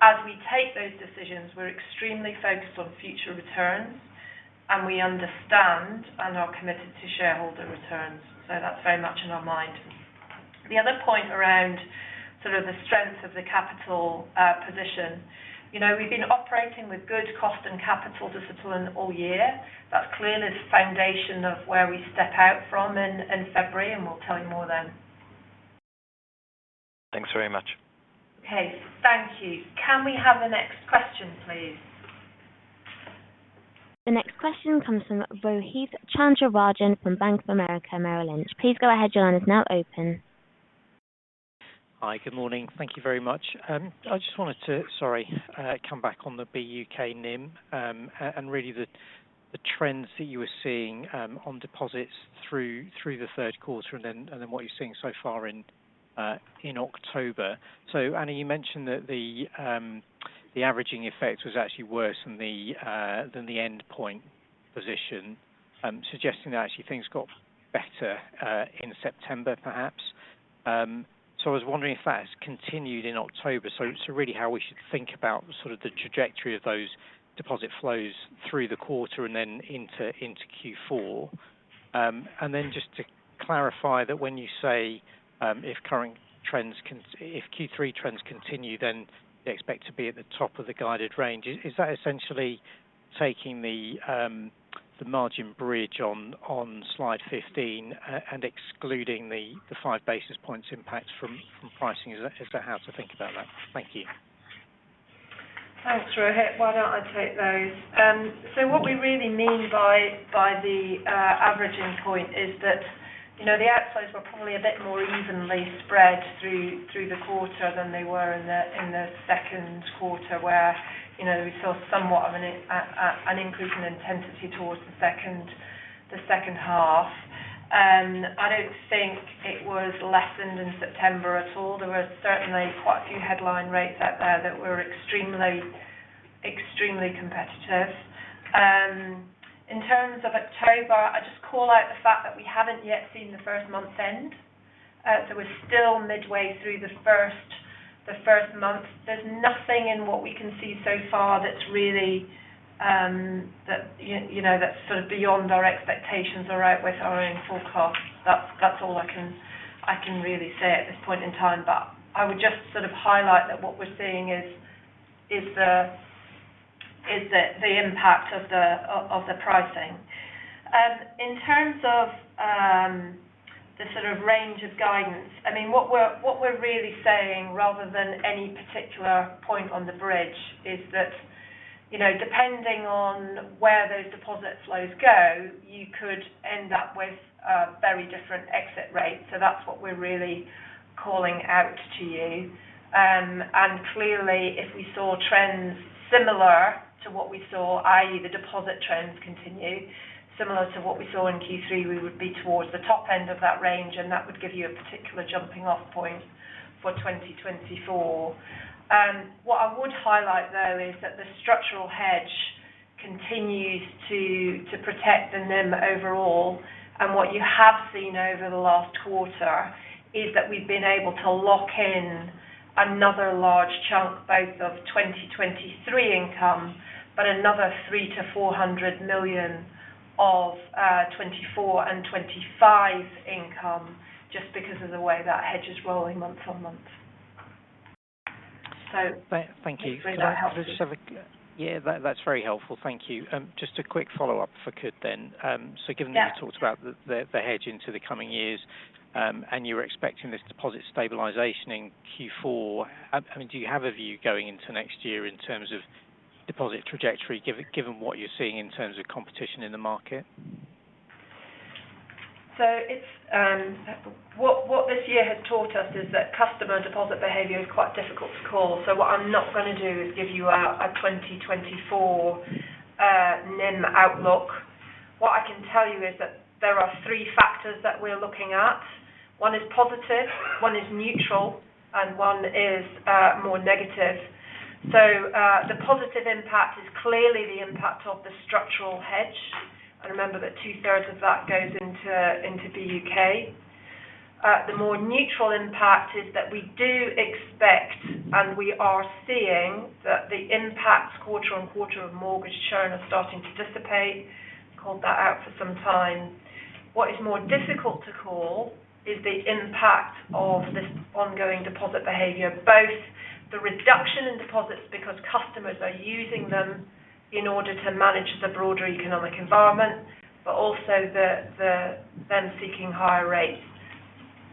as we take those decisions, we're extremely focused on future returns, and we understand and are committed to shareholder returns. So that's very much in our mind. The other point around sort of the strength of the capital position, you know, we've been operating with good cost and capital discipline all year. That's clearly the foundation of where we step out from in February, and we'll tell you more then. Thanks very much. Okay, thank you. Can we have the next question, please? The next question comes from Rohith Chandra-Rajan from Bank of America Merrill Lynch. Please go ahead. Your line is now open. Hi, good morning. Thank you very much. I just wanted to, sorry, come back on the B.U.K. NIM, and really the trends that you were seeing on deposits through the third quarter and then what you're seeing so far in October. So Anna, you mentioned that the averaging effect was actually worse than the end point position, suggesting that actually things got better in September, perhaps. So I was wondering if that's continued in October. So really how we should think about sort of the trajectory of those deposit flows through the quarter and then into Q4. And then just to clarify that when you say if Q3 trends continue, then you expect to be at the top of the guided range. Is that essentially taking the margin bridge on slide 15 and excluding the five basis points impact from pricing? Is that how to think about that? Thank you. Thanks, Rohith. Why don't I take those? So what we really mean by the averaging point is that, you know, the outflows were probably a bit more evenly spread through the quarter than they were in the second quarter, where, you know, we saw somewhat of an increase in intensity towards the second half. I don't think it was lessened in September at all. There were certainly quite a few headline rates out there that were extremely, extremely competitive. In terms of October, I'd just call out the fact that we haven't yet seen the first month's end. So we're still midway through the first month. There's nothing in what we can see so far that's really, you know, that's sort of beyond our expectations or out with our own forecast. That's all I can really say at this point in time. But I would just sort of highlight that what we're seeing is the impact of the pricing. In terms of the sort of range of guidance, I mean, what we're really saying, rather than any particular point on the bridge, is that, you know, depending on where those deposit flows go, you could end up with a very different exit rate. So that's what we're really calling out to you. And clearly, if we saw trends similar to what we saw, i.e., the deposit trends continue, similar to what we saw in Q3, we would be towards the top end of that range, and that would give you a particular jumping-off point for 2024. What I would highlight, though, is that the structural hedge continues to protect the NIM overall. And what you have seen over the last quarter is that we've been able to lock in another large chunk, both of 2023 income, but another 300 million-400 million of 2024 and 2025 income, just because of the way that hedge is rolling month on month. Thank you. Hopefully, that helps. Yeah, that, that's very helpful. Thank you. Just a quick follow-up if I could then. So given- Yeah. That you talked about the hedge into the coming years, and you're expecting this deposit stabilization in Q4, I mean, do you have a view going into next year in terms of deposit trajectory, given what you're seeing in terms of competition in the market? So it's what this year has taught us is that customer deposit behavior is quite difficult to call. So what I'm not gonna do is give you a 2024 NIM outlook. What I can tell you is that there are three factors that we're looking at. One is positive, one is neutral, and one is more negative. So the positive impact is clearly the impact of the structural hedge. And remember that two-thirds of that goes into the U.K. The more neutral impact is that we do expect, and we are seeing, that the impact quarter-on-quarter of mortgage churn are starting to dissipate. Called that out for some time. What is more difficult to call is the impact of this ongoing deposit behavior, both the reduction in deposits, because customers are using them in order to manage the broader economic environment, but also them seeking higher rates.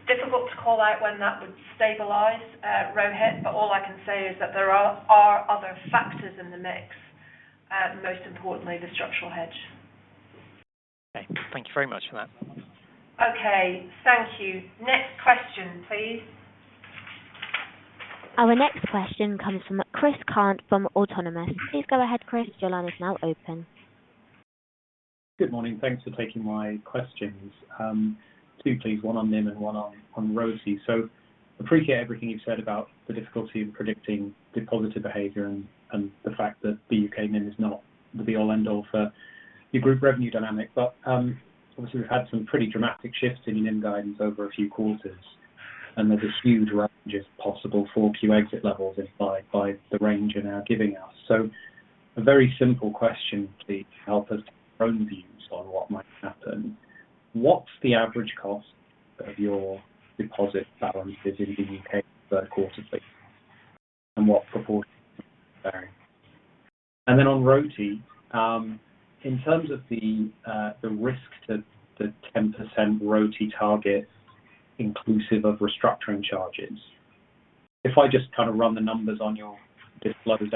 Difficult to call out when that would stabilize, Rohit, but all I can say is that there are other factors in the mix, most importantly, the structural hedge. Okay. Thank you very much for that. Okay, thank you. Next question, please. Our next question comes from Chris Cant from Autonomous. Please go ahead, Chris. Your line is now open. Good morning. Thanks for taking my questions. Two, please, one on NIM and one on ROTE. So appreciate everything you've said about the difficulty of predicting the positive behavior and the fact that the U.K. NIM is not the be all, end all for your group revenue dynamic. But obviously, we've had some pretty dramatic shifts in your NIM guidance over a few quarters, and there's a huge range of possible for Q exit levels by the range you're now giving us. So a very simple question, please, help us on views on what might happen. What's the average cost of your deposit balances in the U.K. quarterly, and what proportion vary? Then on ROTE, in terms of the risk to the 10% ROTE target, inclusive of restructuring charges, if I just kind of run the numbers on your disclosures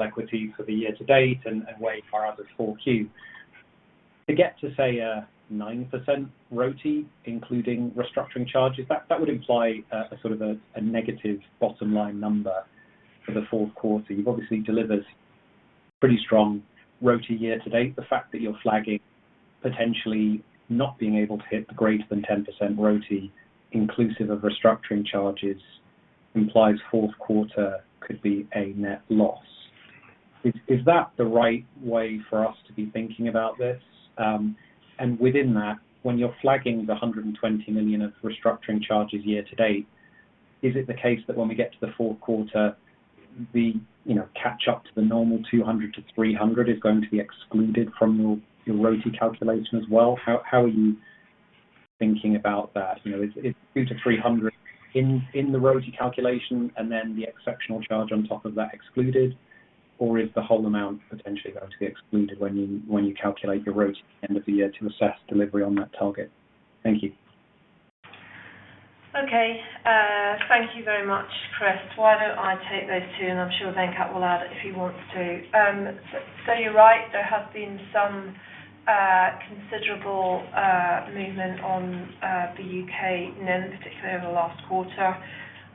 equity for the year to date and weigh forward as Q4. To get to say a 9% ROTE, including restructuring charges, that would imply a sort of a negative bottom line number for the fourth quarter. You've obviously delivered pretty strong ROTE year to date. The fact that you're flagging, potentially not being able to hit the greater than 10% ROTE, inclusive of restructuring charges, implies fourth quarter could be a net loss. Is that the right way for us to be thinking about this? And within that, when you're flagging the 120 million of restructuring charges year to date, is it the case that when we get to the fourth quarter, the, you know, catch up to the normal 200-300 is going to be excluded from your, your ROTE calculation as well? How, how are you thinking about that? You know, is, is 200-300 in, in the ROTE calculation and then the exceptional charge on top of that excluded, or is the whole amount potentially going to be excluded when you, when you calculate your ROTE at the end of the year to assess delivery on that target? Thank you. Okay. Thank you very much, Chris. Why don't I take those two, and I'm sure Venkat will add if he wants to. So you're right, there have been some considerable movement on the U.K. NIM, particularly over the last quarter.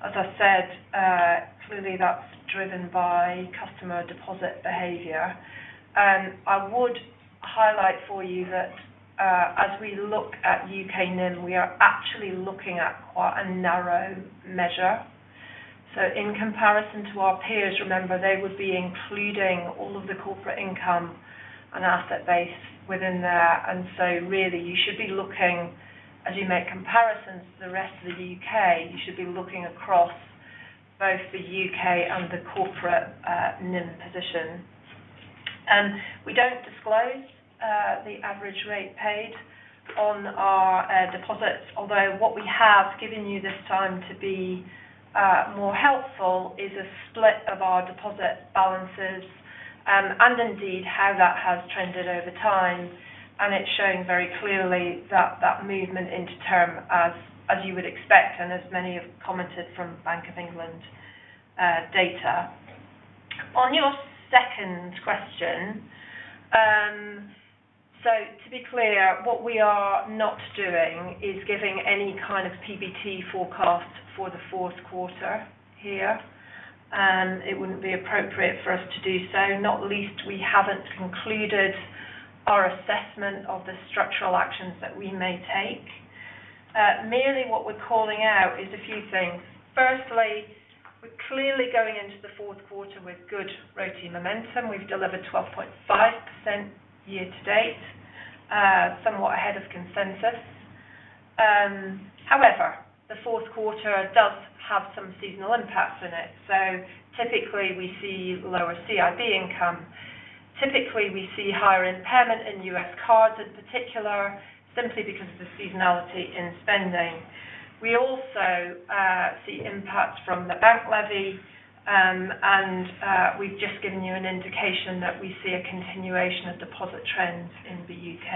As I said, clearly, that's driven by customer deposit behavior. I would highlight for you that, as we look at U.K. NIM, we are actually looking at quite a narrow measure. So in comparison to our peers, remember, they would be including all of the corporate income and asset base within there, and so really, you should be looking as you make comparisons to the rest of the U.K., you should be looking across both the U.K. and the corporate NIM position. We don't disclose the average rate paid on our deposits, although what we have given you this time to be more helpful is a split of our deposit balances, and indeed, how that has trended over time, and it's showing very clearly that movement into term as you would expect, and as many have commented from Bank of England data. On your second question, so to be clear, what we are not doing is giving any kind of PBT forecast for the fourth quarter here, and it wouldn't be appropriate for us to do so. Not least, we haven't concluded our assessment of the structural actions that we may take. Merely, what we're calling out is a few things. Firstly, we're clearly going into the fourth quarter with good ROTE momentum. We've delivered 12.5% year to date, somewhat ahead of consensus. However, the fourth quarter does have some seasonal impacts in it, so typically, we see lower CIB income. Typically, we see higher impairment in U.S. Cards in particular, simply because of the seasonality in spending. We also see impacts from the bank levy, and we've just given you an indication that we see a continuation of deposit trends in the U.K.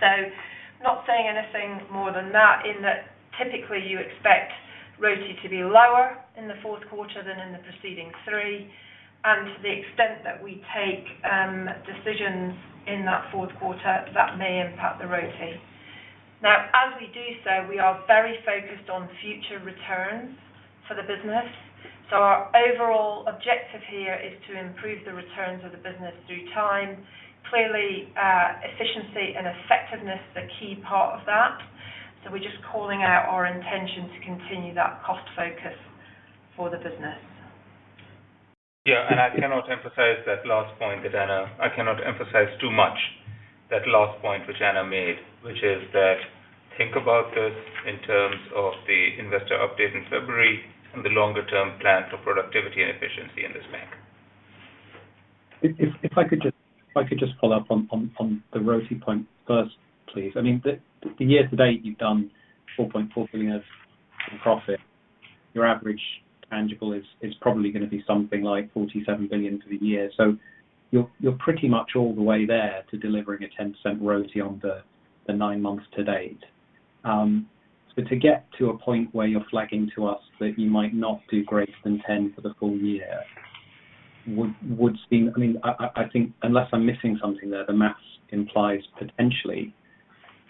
So not saying anything more than that, in that typically you expect ROTE to be lower in the fourth quarter than in the preceding three, and to the extent that we take decisions in that fourth quarter, that may impact the ROTE. Now, as we do so, we are very focused on future returns for the business. Our overall objective here is to improve the returns of the business through time. Clearly, efficiency and effectiveness are key part of that, so we're just calling out our intention to continue that cost focus for the business. Yeah, and I cannot emphasize too much that last point which Anna made, which is that, think about this in terms of the investor update in February and the longer-term plan for productivity and efficiency in this bank. If I could just follow up on the ROTE point first, please. I mean, the year to date, you've done 4.4 billion of profit. Your average tangible is probably gonna be something like 47 billion for the year. So you're pretty much all the way there to delivering a 10% ROTE on the nine months to date. But to get to a point where you're flagging to us that you might not do greater than 10% for the full year, would seem... I mean, I think unless I'm missing something there, the maths implies potentially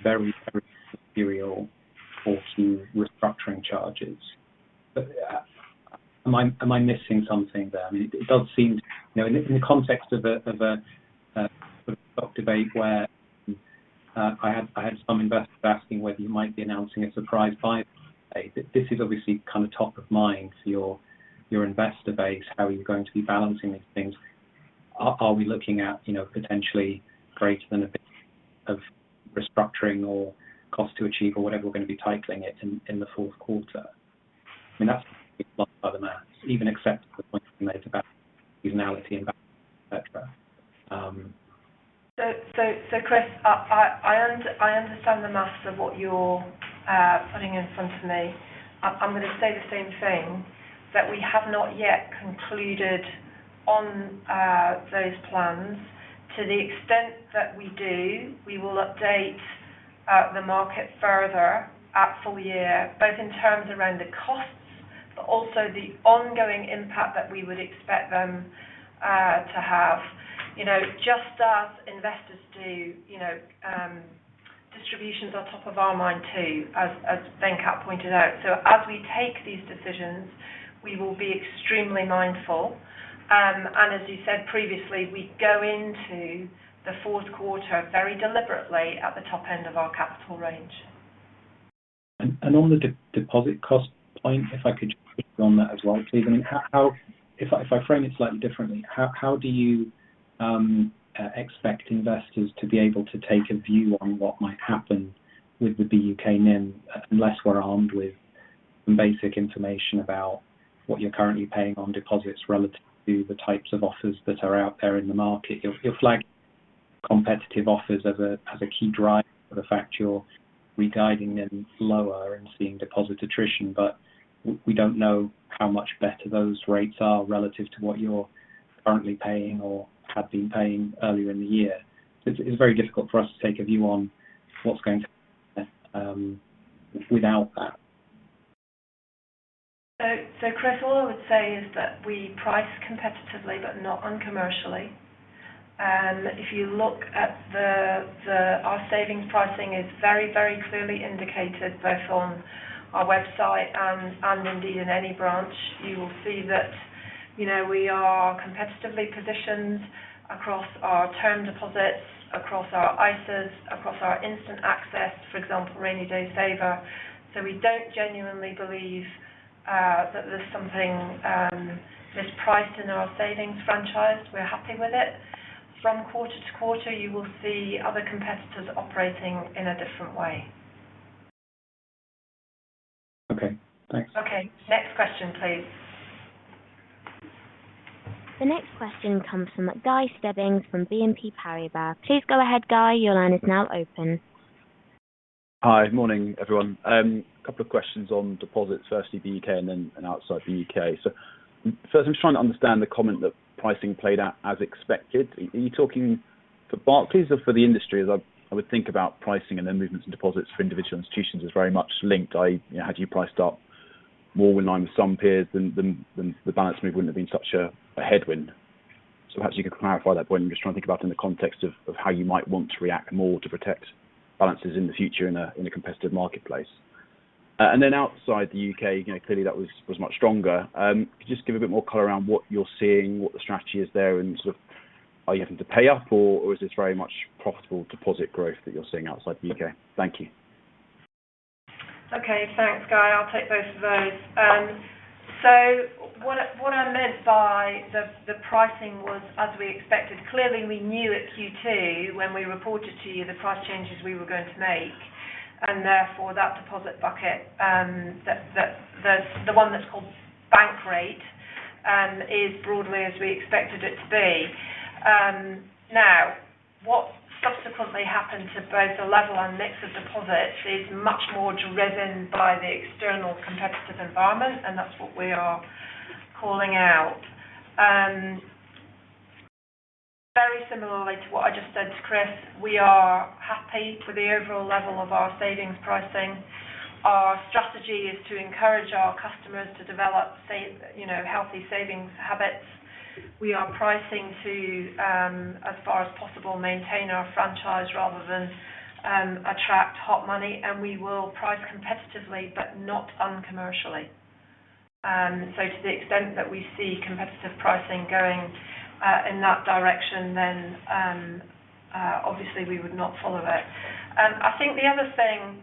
very, very material for key restructuring charges. But, am I missing something there? I mean, it does seem, you know, in the context of a debate where I had some investors asking whether you might be announcing a surprise five. This is obviously kind of top of mind to your investor base, how you're going to be balancing these things. Are we looking at, you know, potentially greater than a bit of restructuring or cost to achieve or whatever we're going to be titling it in the fourth quarter? I mean, that's by the math, even accept the point that it's about seasonality and et cetera. So, Chris, I understand the math of what you're putting in front of me. I'm gonna say the same thing, that we have not yet concluded on those plans. To the extent that we do, we will update the market further at full year, both in terms around the costs, but also the ongoing impact that we would expect them to have. You know, just as investors do, you know, distributions on top of our mind, too, as Venkat pointed out. So as we take these decisions, we will be extremely mindful. And as you said previously, we go into the fourth quarter very deliberately at the top end of our capital range. On the deposit cost point, if I could just on that as well, please. I mean, how... If I frame it slightly differently, how do you expect investors to be able to take a view on what might happen with the U.K. NIM, unless we're armed with some basic information about what you're currently paying on deposits relative to the types of offers that are out there in the market? You're flagging competitive offers as a key driver for the fact you're re-guiding them lower and seeing deposit attrition, but we don't know how much better those rates are relative to what you're currently paying or have been paying earlier in the year. It's very difficult for us to take a view on what's going to without that. ... So, Chris, all I would say is that we price competitively but not uncommercially. And if you look at our savings pricing is very, very clearly indicated, both on our website and indeed in any branch, you will see that, you know, we are competitively positioned across our term deposits, across our ISAs, across our instant access, for example, Rainy Day Saver. So we don't genuinely believe that there's something mispriced in our savings franchise. We're happy with it. From quarter to quarter, you will see other competitors operating in a different way. Okay, thanks. Okay. Next question, please. The next question comes from Guy Stebbings from BNP Paribas. Please go ahead, Guy. Your line is now open. Hi. Morning, everyone. A couple of questions on deposits, firstly, the U.K. and then, and outside the U.K. So first, I'm trying to understand the comment that pricing played out as expected. Are you talking for Barclays or for the industry? As I, I would think about pricing and then movements and deposits for individual institutions is very much linked. I, you know, had you priced up more in line with some peers, then, then, then the balance move wouldn't have been such a, a headwind. So perhaps you could clarify that point. I'm just trying to think about in the context of, of how you might want to react more to protect balances in the future in a, in a competitive marketplace. And then outside the U.K., you know, clearly that was, was much stronger. Could you just give a bit more color around what you're seeing, what the strategy is there, and sort of are you having to pay up, or, or is this very much profitable deposit growth that you're seeing outside the U.K.? Thank you. Okay. Thanks, Guy. I'll take both of those. So what I meant by the pricing was, as we expected, clearly, we knew at Q2 when we reported to you the price changes we were going to make, and therefore, that deposit bucket, that the one that's called Bank Rate, is broadly as we expected it to be. Now, what subsequently happened to both the level and mix of deposits is much more driven by the external competitive environment, and that's what we are calling out. Very similarly to what I just said to Chris, we are happy with the overall level of our savings pricing. Our strategy is to encourage our customers to develop save, you know, healthy savings habits. We are pricing to, as far as possible, maintain our franchise rather than attract hot money, and we will price competitively, but not uncommercially. So to the extent that we see competitive pricing going in that direction, then obviously we would not follow it. I think the other thing,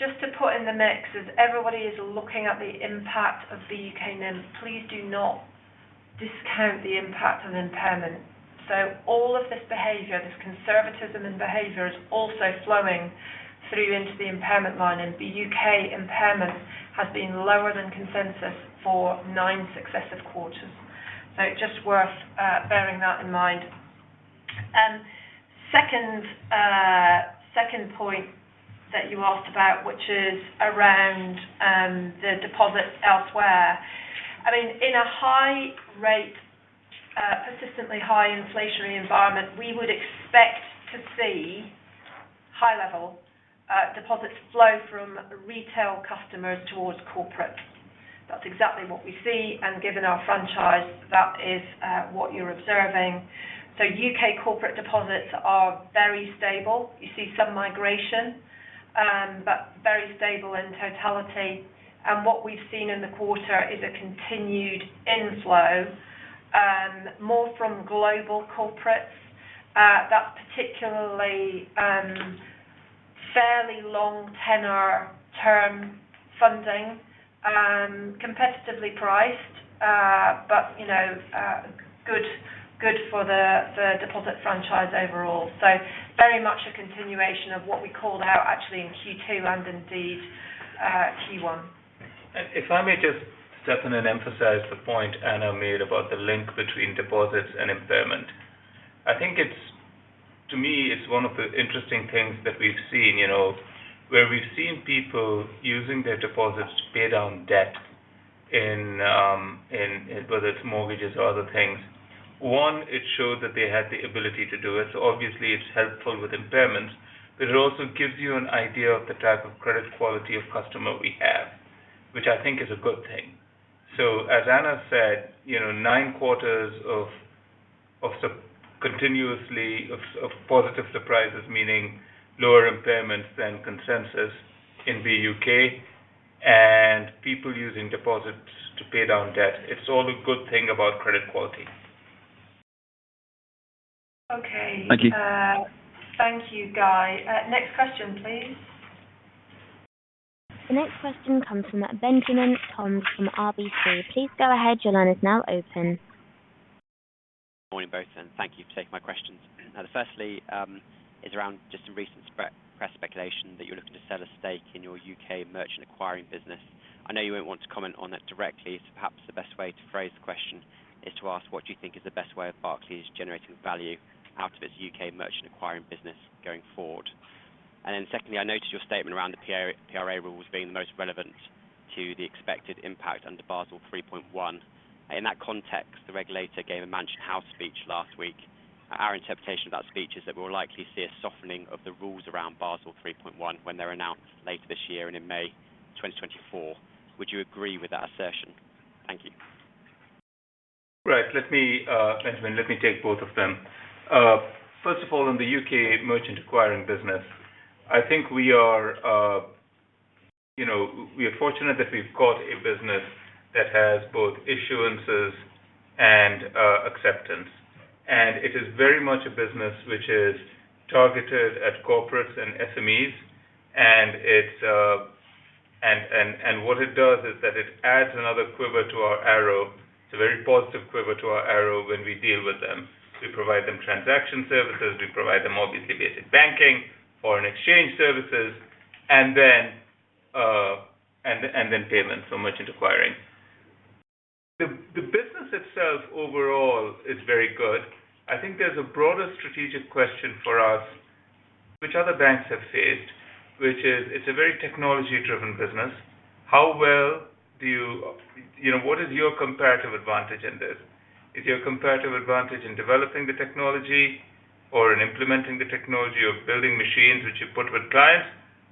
just to put in the mix, is everybody is looking at the impact of the U.K. NIM. Please do not discount the impact of impairment. So all of this behavior, this conservatism and behavior, is also flowing through into the impairment line. And the U.K. impairment has been lower than consensus for nine successive quarters. So just worth bearing that in mind. Second, second point that you asked about, which is around the deposits elsewhere. I mean, in a high rate, persistently high inflationary environment, we would expect to see high level, deposits flow from retail customers towards corporate. That's exactly what we see, and given our franchise, that is, what you're observing. So U.K. corporate deposits are very stable. You see some migration, but very stable in totality. And what we've seen in the quarter is a continued inflow, more from global corporates. That's particularly, fairly long tenor term funding, competitively priced, but, you know, good, good for the, the deposit franchise overall. So very much a continuation of what we called out actually in Q2 and indeed, Q1. If I may just step in and emphasize the point Anna made about the link between deposits and impairment. I think it's... To me, it's one of the interesting things that we've seen, you know, where we've seen people using their deposits to pay down debt in, in, whether it's mortgages or other things. One, it showed that they had the ability to do it, so obviously it's helpful with impairments, but it also gives you an idea of the type of credit quality of customer we have, which I think is a good thing. So as Anna said, you know, nine quarters of continuously positive surprises, meaning lower impairments than consensus in the U.K. and people using deposits to pay down debt. It's all a good thing about credit quality. Okay. Thank you, Guy. Next question, please. The next question comes from Benjamin Toms from RBC. Please go ahead. Your line is now open. Morning, both, and thank you for taking my questions. Now, firstly, it's around just some recent press speculation that you're looking to sell a stake in your U.K. merchant acquiring business. I know you won't want to comment on that directly. So perhaps the best way to phrase the question is to ask, what do you think is the best way of Barclays generating value out of its U.K. merchant acquiring business going forward? And then secondly, I noticed your statement around the PRA rules being the most relevant to the expected impact under Basel 3.1. In that context, the regulator gave a Mansion House speech last week. Our interpretation of that speech is that we'll likely see a softening of the rules around Basel 3.1 when they're announced later this year and in May 2024. Would you agree with that assertion? Thank you. Right. Let me, Benjamin, let me take both of them. First of all, in the U.K. merchant acquiring business, I think we are, you know, we are fortunate that we've got a business that has both issuances and acceptance. And it is very much a business which is targeted at corporates and SMEs, and it's, and what it does is that it adds another quiver to our arrow. It's a very positive quiver to our arrow when we deal with them. We provide them transaction services, we provide them, obviously, basic banking, foreign exchange services, and then payments, so merchant acquiring. The business itself, overall, is very good. I think there's a broader strategic question for us, which other banks have faced, which is it's a very technology-driven business. How well do you, you know, what is your comparative advantage in this? Is your comparative advantage in developing the technology or in implementing the technology or building machines which you put with clients?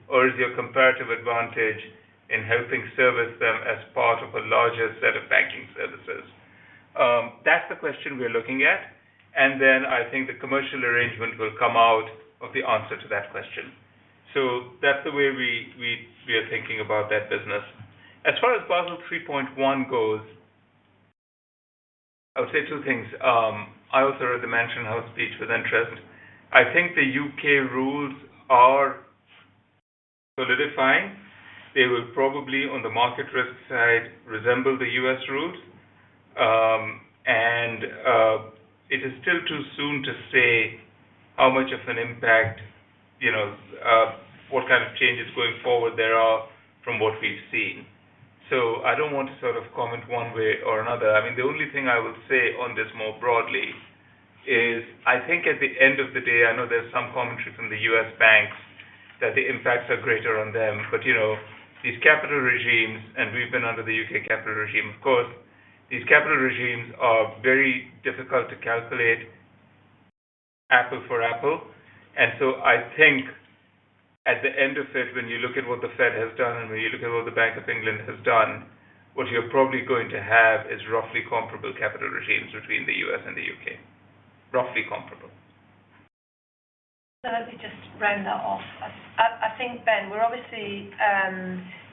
Or is your comparative advantage in helping service them as part of a larger set of banking services? That's the question we're looking at, and then I think the commercial arrangement will come out of the answer to that question. So that's the way we are thinking about that business. As far as Basel 3.1 goes, I would say two things. I also read the Mansion House speech with interest. I think the U.K. rules are solidifying. They will probably, on the market risk side, resemble the U.S. rules. And it is still too soon to say how much of an impact, you know, what kind of changes going forward there are from what we've seen. So I don't want to sort of comment one way or another. I mean, the only thing I will say on this more broadly is, I think at the end of the day, I know there's some commentary from the U.S. banks that the impacts are greater on them, but, you know, these capital regimes, and we've been under the U.K. capital regime, of course, these capital regimes are very difficult to calculate apples to apples. And so I think at the end of it, when you look at what the Fed has done and when you look at what the Bank of England has done, what you're probably going to have is roughly comparable capital regimes between the U.S. and the U.K. Roughly comparable. So let me just round that off. I think, Ben, we're obviously,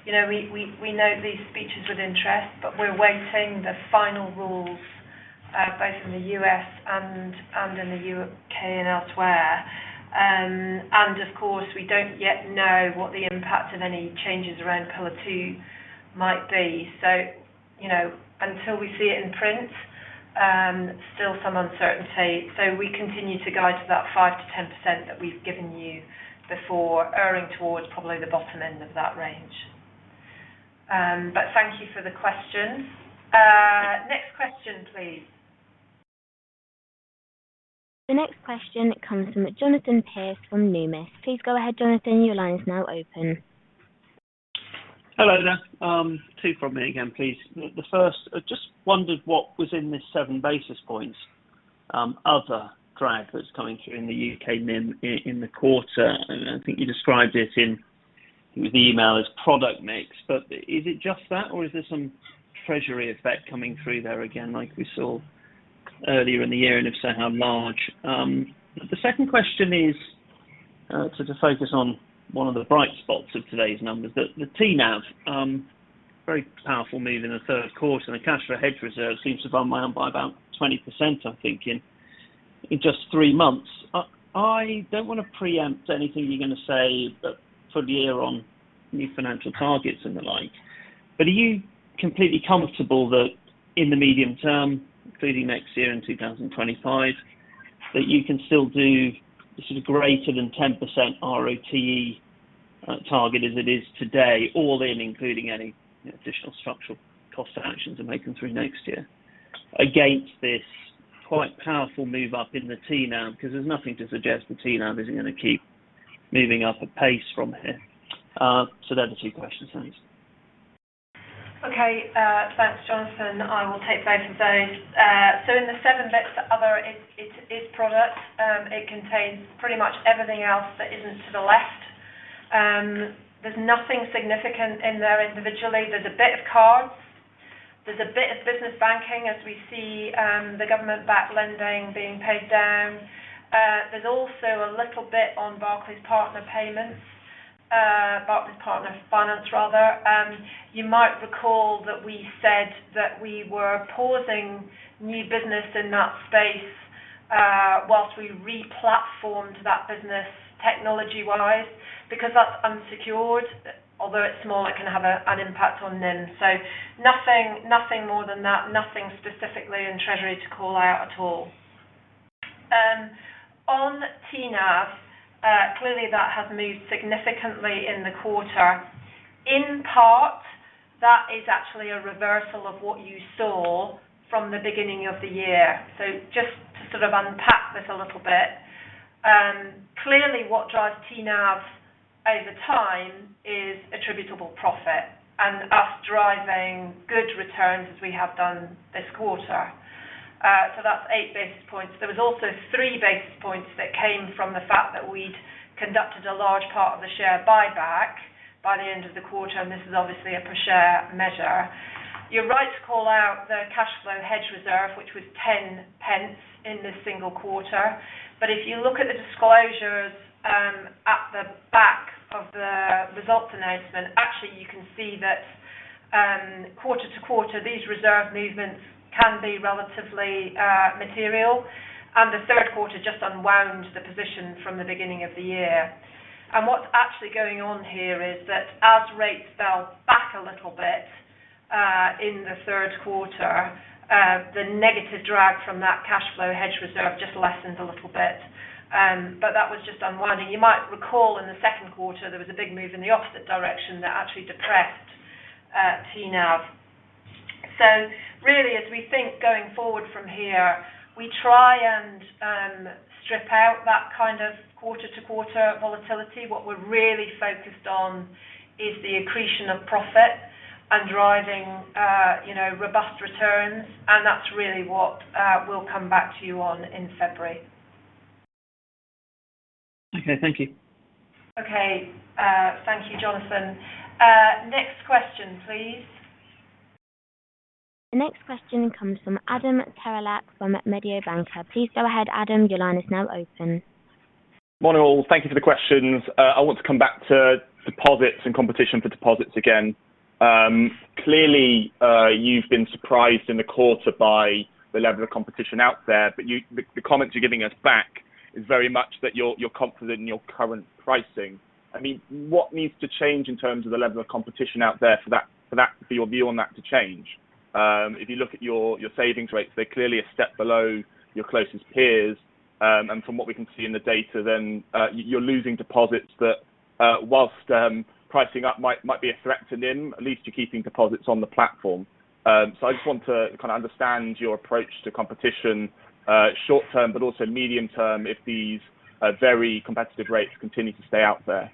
you know, we note these speeches with interest, but we're awaiting the final rules, both in the U.S. and in the U.K. and elsewhere. And of course, we don't yet know what the impact of any changes around Pillar 2 might be. So, you know, until we see it in print, still some uncertainty. So we continue to guide to that 5%-10% that we've given you before, erring towards probably the bottom end of that range. But thank you for the question. Next question, please. The next question comes from Jonathan Pierce from Numis. Please go ahead, Jonathan. Your line is now open. Hello there. Two from me again, please. The first, I just wondered what was in this seven basis points, other drag that's coming through in the U.K., NIM, in the quarter. I think you described it in the email as product mix. But is it just that, or is there some Treasury effect coming through there again, like we saw earlier in the year, and if so, how large? The second question is, to just focus on one of the bright spots of today's numbers, the TNAV, very powerful move in the third quarter, and the cash flow hedge reserve seems to have gone by about 20%, I think, in just three months. I don't want to preempt anything you're going to say, but for the year on new financial targets and the like, but are you completely comfortable that in the medium term, including next year in 2025, that you can still do this greater than 10% ROTE target as it is today, all in including any additional structural cost actions and make them through next year, against this quite powerful move up in the TNAV? Because there's nothing to suggest the TNAV isn't gonna keep moving up a pace from here. So they're the two questions. Thanks. Okay, thanks, Jonathan. I will take both of those. So in the segment, other, it is product. It contains pretty much everything else that isn't to the left. There's nothing significant in there individually. There's a bit of cards, there's a bit of business banking as we see the government-backed lending being paid down. There's also a little bit on Barclays Partner Payments, Barclays Partner Finance, rather. You might recall that we said that we were pausing new business in that space, while we replatformed that business, technology-wise, because that's unsecured. Although it's small, it can have an impact on NIM. So nothing, nothing more than that, nothing specifically in Treasury to call out at all. On TNAV, clearly, that has moved significantly in the quarter. In part, that is actually a reversal of what you saw from the beginning of the year. So just to sort of unpack this a little bit. Clearly, what drives TNAV over time is attributable profit and us driving good returns as we have done this quarter. So that's 8 basis points. There was also 3 basis points that came from the fact that we'd conducted a large part of the share buyback by the end of the quarter, and this is obviously a per share measure. You're right to call out the cash flow hedge reserve, which was 0.10 in this single quarter. But if you look at the disclosures, at the back of the results announcement, actually, you can see that, quarter to quarter, these reserve movements can be relatively, material, and the third quarter just unwound the position from the beginning of the year. And what's actually going on here is that as rates fell back a little bit, in the third quarter, the negative drag from that cash flow hedge reserve just lessened a little bit. But that was just unwinding. You might recall in the second quarter, there was a big move in the opposite direction that actually depressed, TNAV. So really, as we think going forward from here, we try and, strip out that kind of quarter-to-quarter volatility. What we're really focused on is the accretion of profit and driving, you know, robust returns, and that's really what we'll come back to you on in February. Okay, thank you. Okay, thank you, Jonathan. Next question, please. The next question comes from Adam Terelak from Mediobanca. Please go ahead, Adam. Your line is now open. Morning, all. Thank you for the questions. I want to come back to deposits and competition for deposits again. Clearly, you've been surprised in the quarter by the level of competition out there, but the comments you're giving us back is very much that you're confident in your current pricing. I mean, what needs to change in terms of the level of competition out there for that for your view on that to change? If you look at your savings rates, they're clearly a step below your closest peers, and from what we can see in the data, you're losing deposits that whilst pricing up might be a threat to NIM, at least you're keeping deposits on the platform. So I just want to kind of understand your approach to competition, short term, but also medium term, if these very competitive rates continue to stay out there.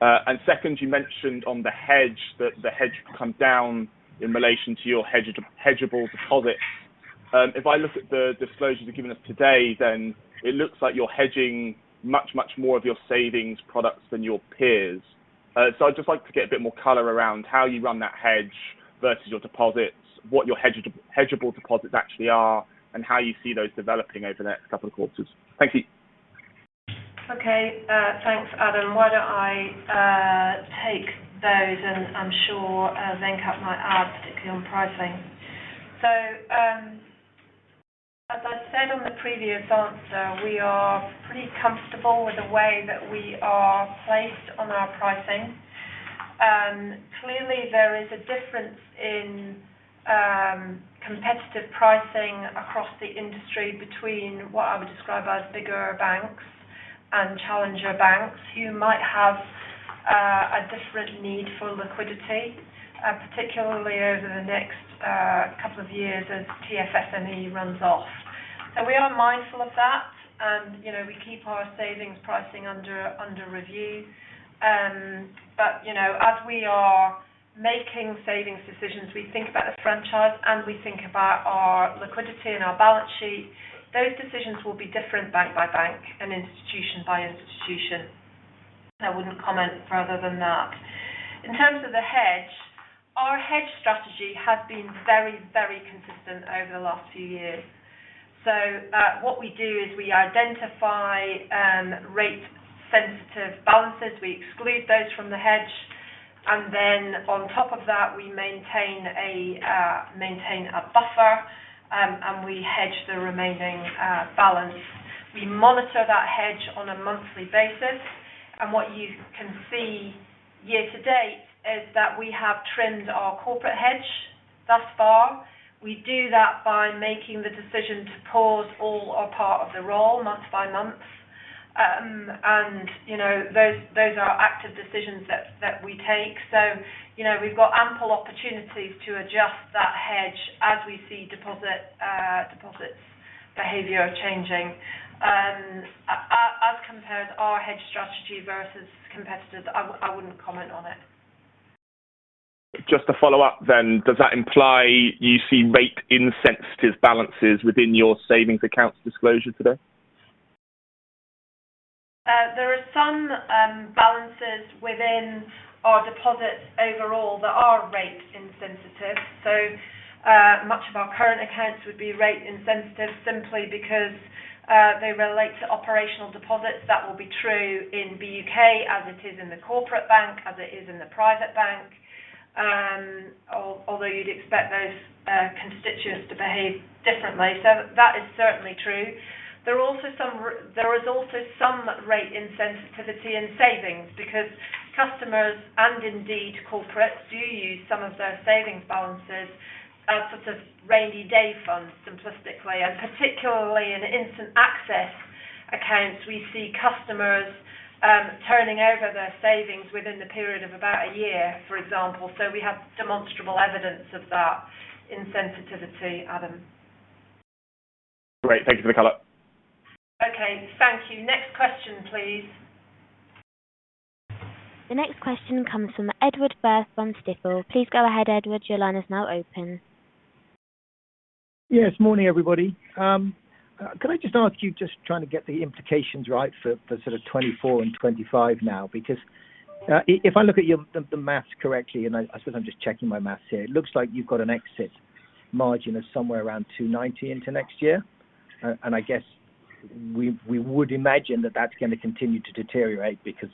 And second, you mentioned on the hedge, that the hedge come down in relation to your hedge, hedgeable deposits. If I look at the disclosures you've given us today, then it looks like you're hedging much, much more of your savings products than your peers. So I'd just like to get a bit more color around how you run that hedge versus your deposits, what your hedge, hedgeable deposits actually are, and how you see those developing over the next couple of quarters. Thank you. Okay, thanks, Adam. Why don't I take those, and I'm sure Venkat might add, particularly on pricing. So, as I said on the previous answer, we are pretty comfortable with the way that we are placed on our pricing. Clearly, there is a difference in competitive pricing across the industry between what I would describe as bigger banks and challenger banks, who might have a different need for liquidity, particularly over the next couple of years as TFSME runs off. So we are mindful of that, and, you know, we keep our savings pricing under review. But, you know, as we are making savings decisions, we think about the franchise, and we think about our liquidity and our balance sheet. Those decisions will be different bank by bank and institution by institution. I wouldn't comment further than that. In terms of the hedge, our hedge strategy has been very, very consistent over the last few years. So, what we do is we identify rate-sensitive balances, we exclude those from the hedge, and then on top of that, we maintain a buffer, and we hedge the remaining balance. We monitor that hedge on a monthly basis, and what you can see year to date is that we have trimmed our corporate hedge thus far. We do that by making the decision to pause all or part of the roll, month by month. And, you know, those are active decisions that we take. So, you know, we've got ample opportunities to adjust that hedge as we see deposits behavior changing. As it compares our hedge strategy versus competitors, I wouldn't comment on it. Just to follow up then, does that imply you see rate insensitive balances within your savings accounts disclosure today? There are some balances within our deposits overall that are rate insensitive. So, much of our current accounts would be rate insensitive simply because they relate to operational deposits. That will be true in the U.K., as it is in the Corporate Bank, as it is in the Private Bank, although you'd expect those constituents to behave differently. So that is certainly true. There is also some rate insensitivity in savings because customers, and indeed corporates, do use some of their savings balances as sort of rainy-day funds, simplistically, and particularly in instant access accounts, we see customers turning over their savings within the period of about a year, for example. So we have demonstrable evidence of that insensitivity, Adam.... Great. Thank you for the color. Okay, thank you. Next question, please. The next question comes from Edward Firth from Stifel. Please go ahead, Edward. Your line is now open. Yes, morning, everybody. Could I just ask you, just trying to get the implications right for, for sort of 2024 and 2025 now? Because, if I look at your, the, the math correctly, and I, I suppose I'm just checking my math here, it looks like you've got an exit margin of somewhere around 290 into next year. And I guess we, we would imagine that that's going to continue to deteriorate because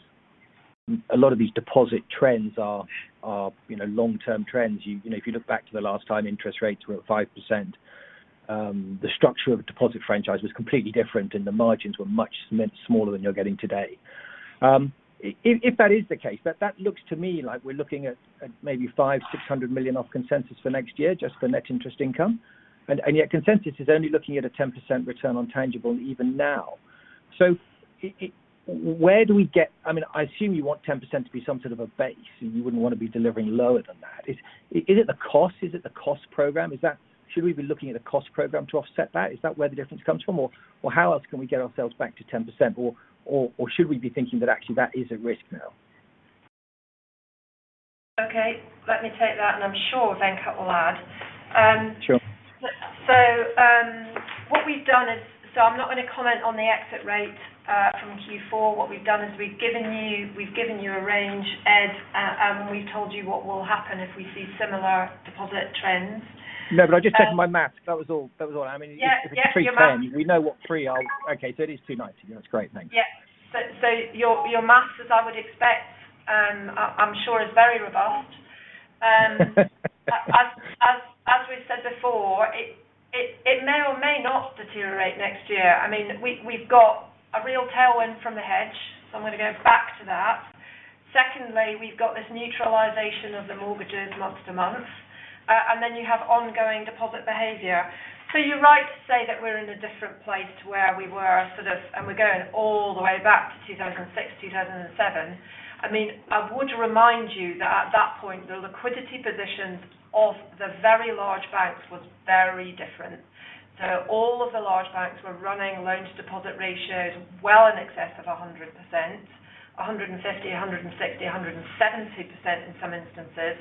a lot of these deposit trends are, are, you know, long-term trends. You, you know, if you look back to the last time interest rates were at 5%, the structure of the deposit franchise was completely different, and the margins were much smaller than you're getting today. If that is the case, that looks to me like we're looking at maybe 500 million-600 million of consensus for next year, just for net interest income. And yet consensus is only looking at a 10% return on tangible equity even now. So I... Where do we get? I mean, I assume you want 10% to be some sort of a base, and you wouldn't want to be delivering lower than that. Is it the cost? Is it the cost program? Is that... Should we be looking at a cost program to offset that? Is that where the difference comes from, or how else can we get ourselves back to 10%, or should we be thinking that actually that is a risk now? Okay, let me take that, and I'm sure Venkat will add. Sure. So, what we've done is... So I'm not going to comment on the exit rate from Q4. What we've done is we've given you, we've given you a range, Ed, and we've told you what will happen if we see similar deposit trends. No, but I just checked my math. That was all, that was all. I mean- Yeah, yeah. We know what three are. Okay, so it is 290. That's great. Thanks. Yeah. So, so your, your math, as I would expect, I, I'm sure is very robust. As, as, as we've said before, it, it, it may or may not deteriorate next year. I mean, we've, we've got a real tailwind from the hedge, so I'm going to go back to that. Secondly, we've got this neutralization of the mortgages month-to-month, and then you have ongoing deposit behavior. So you're right to say that we're in a different place to where we were, sort of, and we're going all the way back to 2006, 2007. I mean, I would remind you that at that point, the liquidity positions of the very large banks was very different. So all of the large banks were running loan-to-deposit ratios well in excess of 100%, 150%, 160%, 170% in some instances,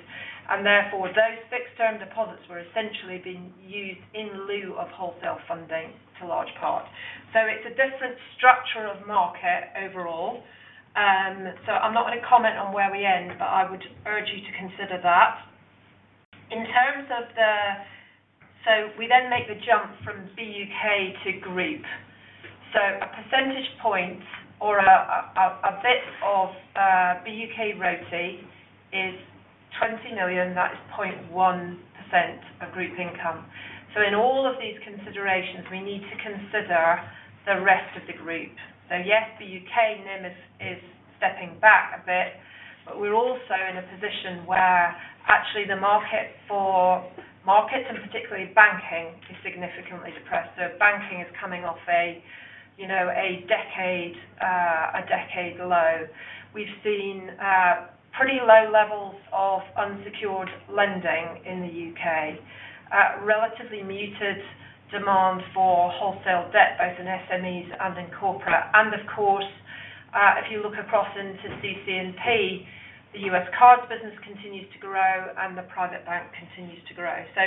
and therefore, those fixed-term deposits were essentially being used in lieu of wholesale funding to a large part. So it's a different structure of market overall. So I'm not going to comment on where we end, but I would urge you to consider that. In terms of the. So we then make the jump from B.U.K. to group. So a percentage point or a bit of B.U.K. ROTE is 20 million, that is 0.1% of group income. So in all of these considerations, we need to consider the rest of the group. So yes, the U.K. NIM is stepping back a bit, but we're also in a position where actually the market for markets, and particularly banking, is significantly depressed. So banking is coming off a, you know, a decade low. We've seen pretty low levels of unsecured lending in the U.K., relatively muted demand for wholesale debt, both in SMEs and in corporate. And of course, if you look across into CC&P, the U.S. Cards business continues to grow and the Private Bank continues to grow. So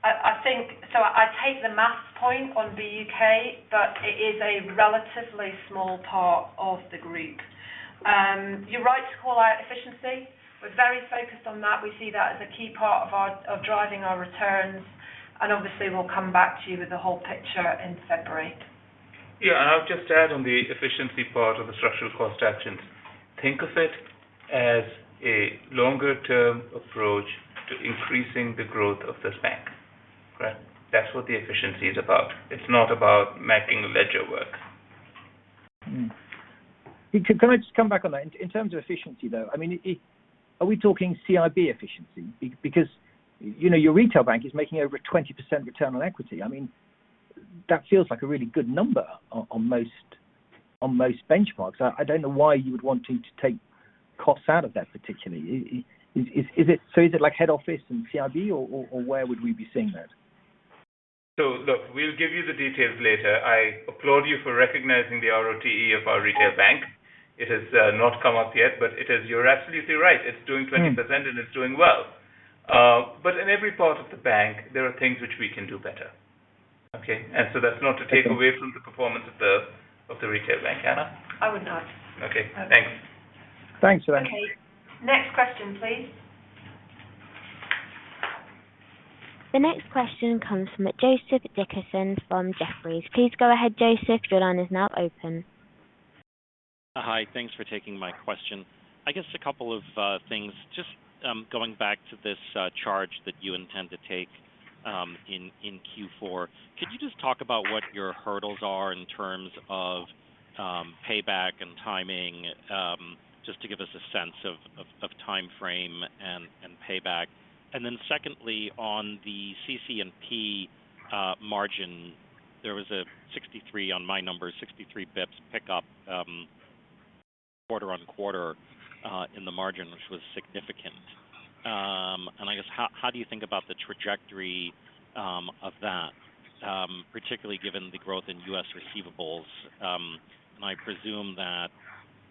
I think... So I take the math point on B.U.K., but it is a relatively small part of the group. You're right to call out efficiency. We're very focused on that. We see that as a key part of driving our returns, and obviously, we'll come back to you with the whole picture in February. Yeah, and I'll just add on the efficiency part of the structural cost actions. Think of it as a longer-term approach to increasing the growth of this bank. Right? That's what the efficiency is about. It's not about making the ledger work. Mm-hmm. Can I just come back on that? In terms of efficiency, though, I mean, are we talking CIB efficiency? Because, you know, your retail bank is making over 20% return on equity. I mean, that feels like a really good number on most benchmarks. I don't know why you would want to take costs out of that, particularly. Is it... So is it like head office and CIB, or where would we be seeing that? So look, we'll give you the details later. I applaud you for recognizing the ROTE of our retail bank. It has not come out yet, but it is. You're absolutely right. Mm-hmm. It's doing 20%, and it's doing well. But in every part of the bank, there are things which we can do better. Okay? And so that's not to take- Okay. away from the performance of the retail bank. Anna? I would not. Okay, thanks. Thanks. Okay. Next question, please. The next question comes from Joseph Dickerson from Jefferies. Please go ahead, Joseph. Your line is now open. Hi, thanks for taking my question. I guess a couple of things. Just going back to this charge that you intend to take in Q4. Could you just talk about what your hurdles are in terms of payback and timing, just to give us a sense of time frame and payback? And then secondly, on the CC&P margin, there was a 63 on my number, 63 basis points pickup quarter-on-quarter in the margin, which was significant. And I guess, how do you think about the trajectory of that, particularly given the growth in U.S. receivables? And I presume that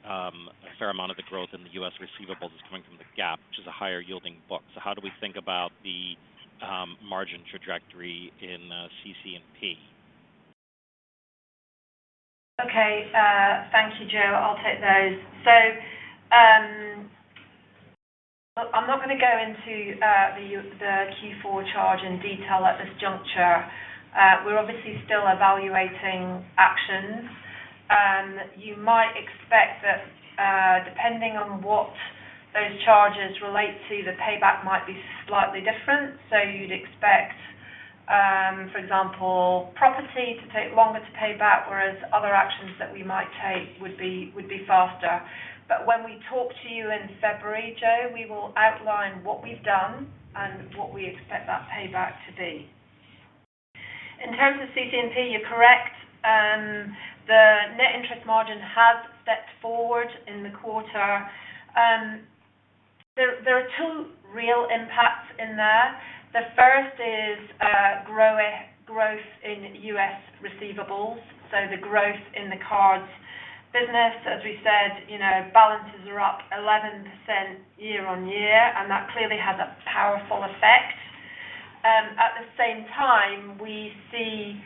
a fair amount of the growth in the U.S. receivables is coming from the Gap, which is a higher-yielding book. How do we think about the margin trajectory in CC&P? Okay. Thank you, Joe. I'll take those. So, I'm not going to go into the Q4 charge in detail at this juncture. We're obviously still evaluating actions, and you might expect that, depending on what those charges relate to, the payback might be slightly different. So you'd expect, for example, property to take longer to pay back, whereas other actions that we might take would be, would be faster. But when we talk to you in February, Joe, we will outline what we've done and what we expect that payback to be. In terms of CC&P, you're correct. The net interest margin has stepped forward in the quarter. There are two real impacts in there. The first is, growing growth in U.S. receivables, so the growth in the cards business. As we said, you know, balances are up 11% year-on-year, and that clearly has a powerful effect. At the same time, we see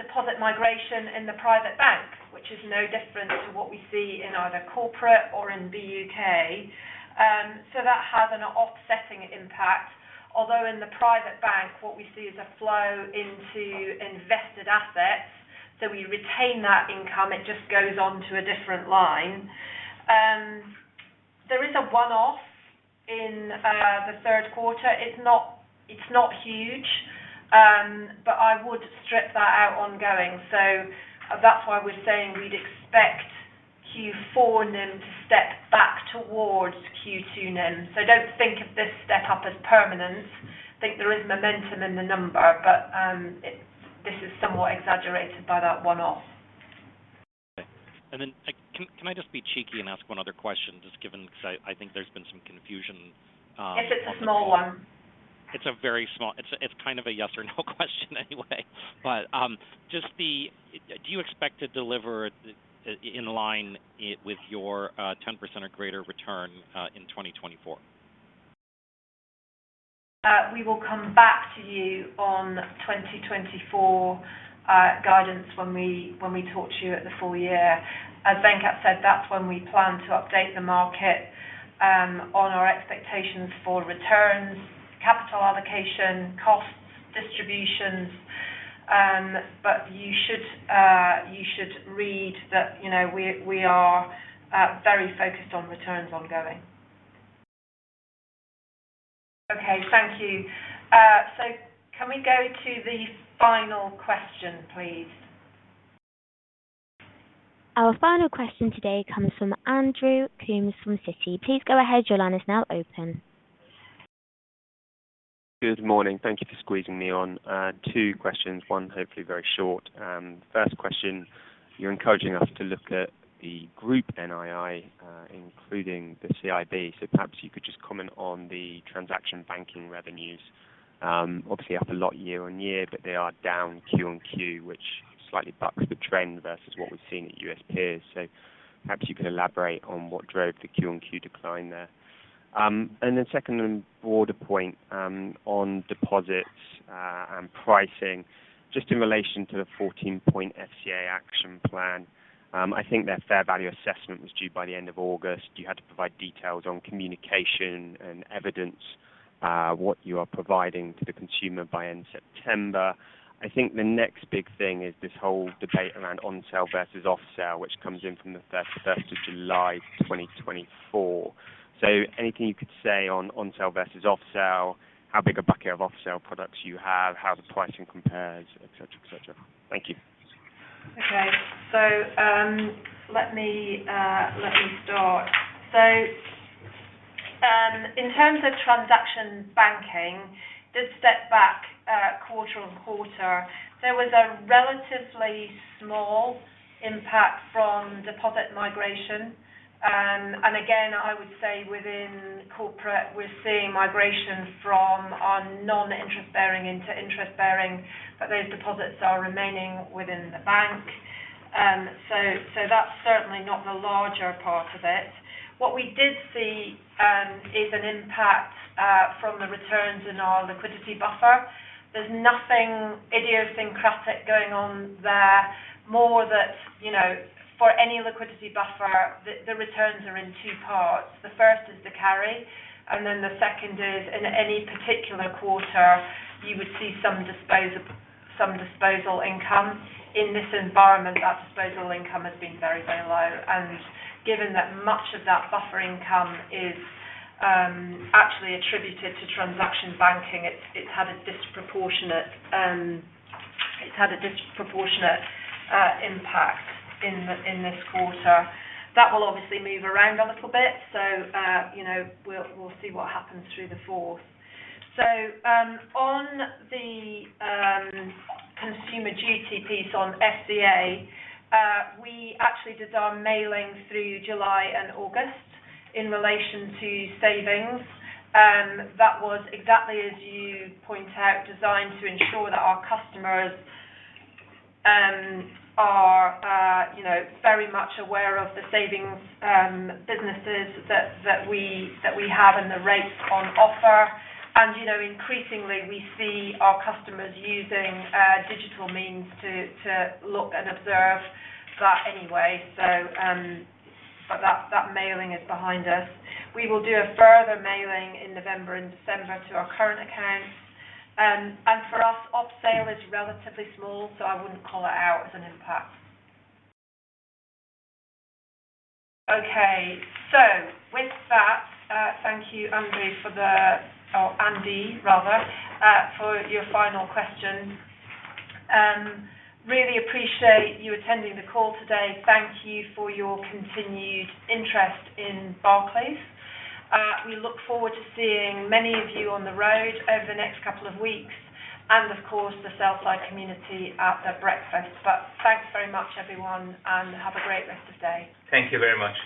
deposit migration in the Private Bank, which is no different to what we see in either corporate or in the U.K. So that has an offsetting impact. Although in the Private Bank, what we see is a flow into invested assets, so we retain that income, it just goes on to a different line. There is a one-off in the third quarter. It's not, it's not huge, but I would strip that out ongoing. So that's why we're saying we'd expect Q4 NIM to step back towards Q2 NIM. So don't think of this step up as permanent. I think there is momentum in the number, but this is somewhat exaggerated by that one-off. Okay. And then, can I just be cheeky and ask one other question, just given, because I think there's been some confusion? If it's a small one. It's a very small... It's, it's kind of a yes or no question anyway, but, just the-- do you expect to deliver in line with your, 10% or greater return, in 2024? We will come back to you on 2024 guidance when we, when we talk to you at the full year. As Venkat said, that's when we plan to update the market on our expectations for returns, capital allocation, costs, distributions. But you should, you should read that, you know, we, we are very focused on returns ongoing. Okay, thank you. So can we go to the final question, please? Our final question today comes from Andrew Coombs from Citi. Please go ahead. Your line is now open. Good morning. Thank you for squeezing me on. Two questions, one, hopefully very short. First question, you're encouraging us to look at the group NII, including the CIB. So perhaps you could just comment on the transaction banking revenues. Obviously, up a lot year-on-year, but they are down Q on Q, which slightly bucks the trend versus what we've seen at U.S. peers. So perhaps you can elaborate on what drove the Q on Q decline there. And then second, and broader point, on deposits, and pricing, just in relation to the 14-point FCA action plan. I think their fair value assessment was due by the end of August. You had to provide details on communication and evidence, what you are providing to the consumer by end September. I think the next big thing is this whole debate around on sale versus off sale, which comes in from the first of July 2024. So anything you could say on on sale versus off sale, how big a bucket of off sale products you have, how the pricing compares, et cetera, et cetera. Thank you. Okay. So, let me, let me start. So, in terms of transaction banking, this step back, quarter-on-quarter, there was a relatively small impact from deposit migration. And again, I would say within corporate, we're seeing migration from our non-interest-bearing into interest-bearing, but those deposits are remaining within the bank. So, that's certainly not the larger part of it. What we did see is an impact from the returns in our liquidity buffer. There's nothing idiosyncratic going on there. More that, you know, for any liquidity buffer, the returns are in two parts. The first is the carry, and then the second is in any particular quarter, you would see some disposal, some disposal income. In this environment, that disposal income has been very, very low, and given that much of that buffer income is actually attributed to transaction banking, it's had a disproportionate impact in this quarter. That will obviously move around a little bit. So, you know, we'll see what happens through the fourth. So, on the Consumer Duty piece on FCA, we actually did our mailing through July and August in relation to savings. That was exactly as you point out, designed to ensure that our customers are you know, very much aware of the savings businesses that we have and the rates on offer. And you know, increasingly, we see our customers using digital means to look and observe that anyway. So, but that, that mailing is behind us. We will do a further mailing in November and December to our current accounts. And for us, off sale is relatively small, so I wouldn't call it out as an impact. Okay. So with that, thank you, Andrew, for the... or Andy, rather, for your final question. Really appreciate you attending the call today. Thank you for your continued interest in Barclays. We look forward to seeing many of you on the road over the next couple of weeks, and of course, the sell-side community at the breakfast. But thanks very much, everyone, and have a great rest of the day. Thank you very much.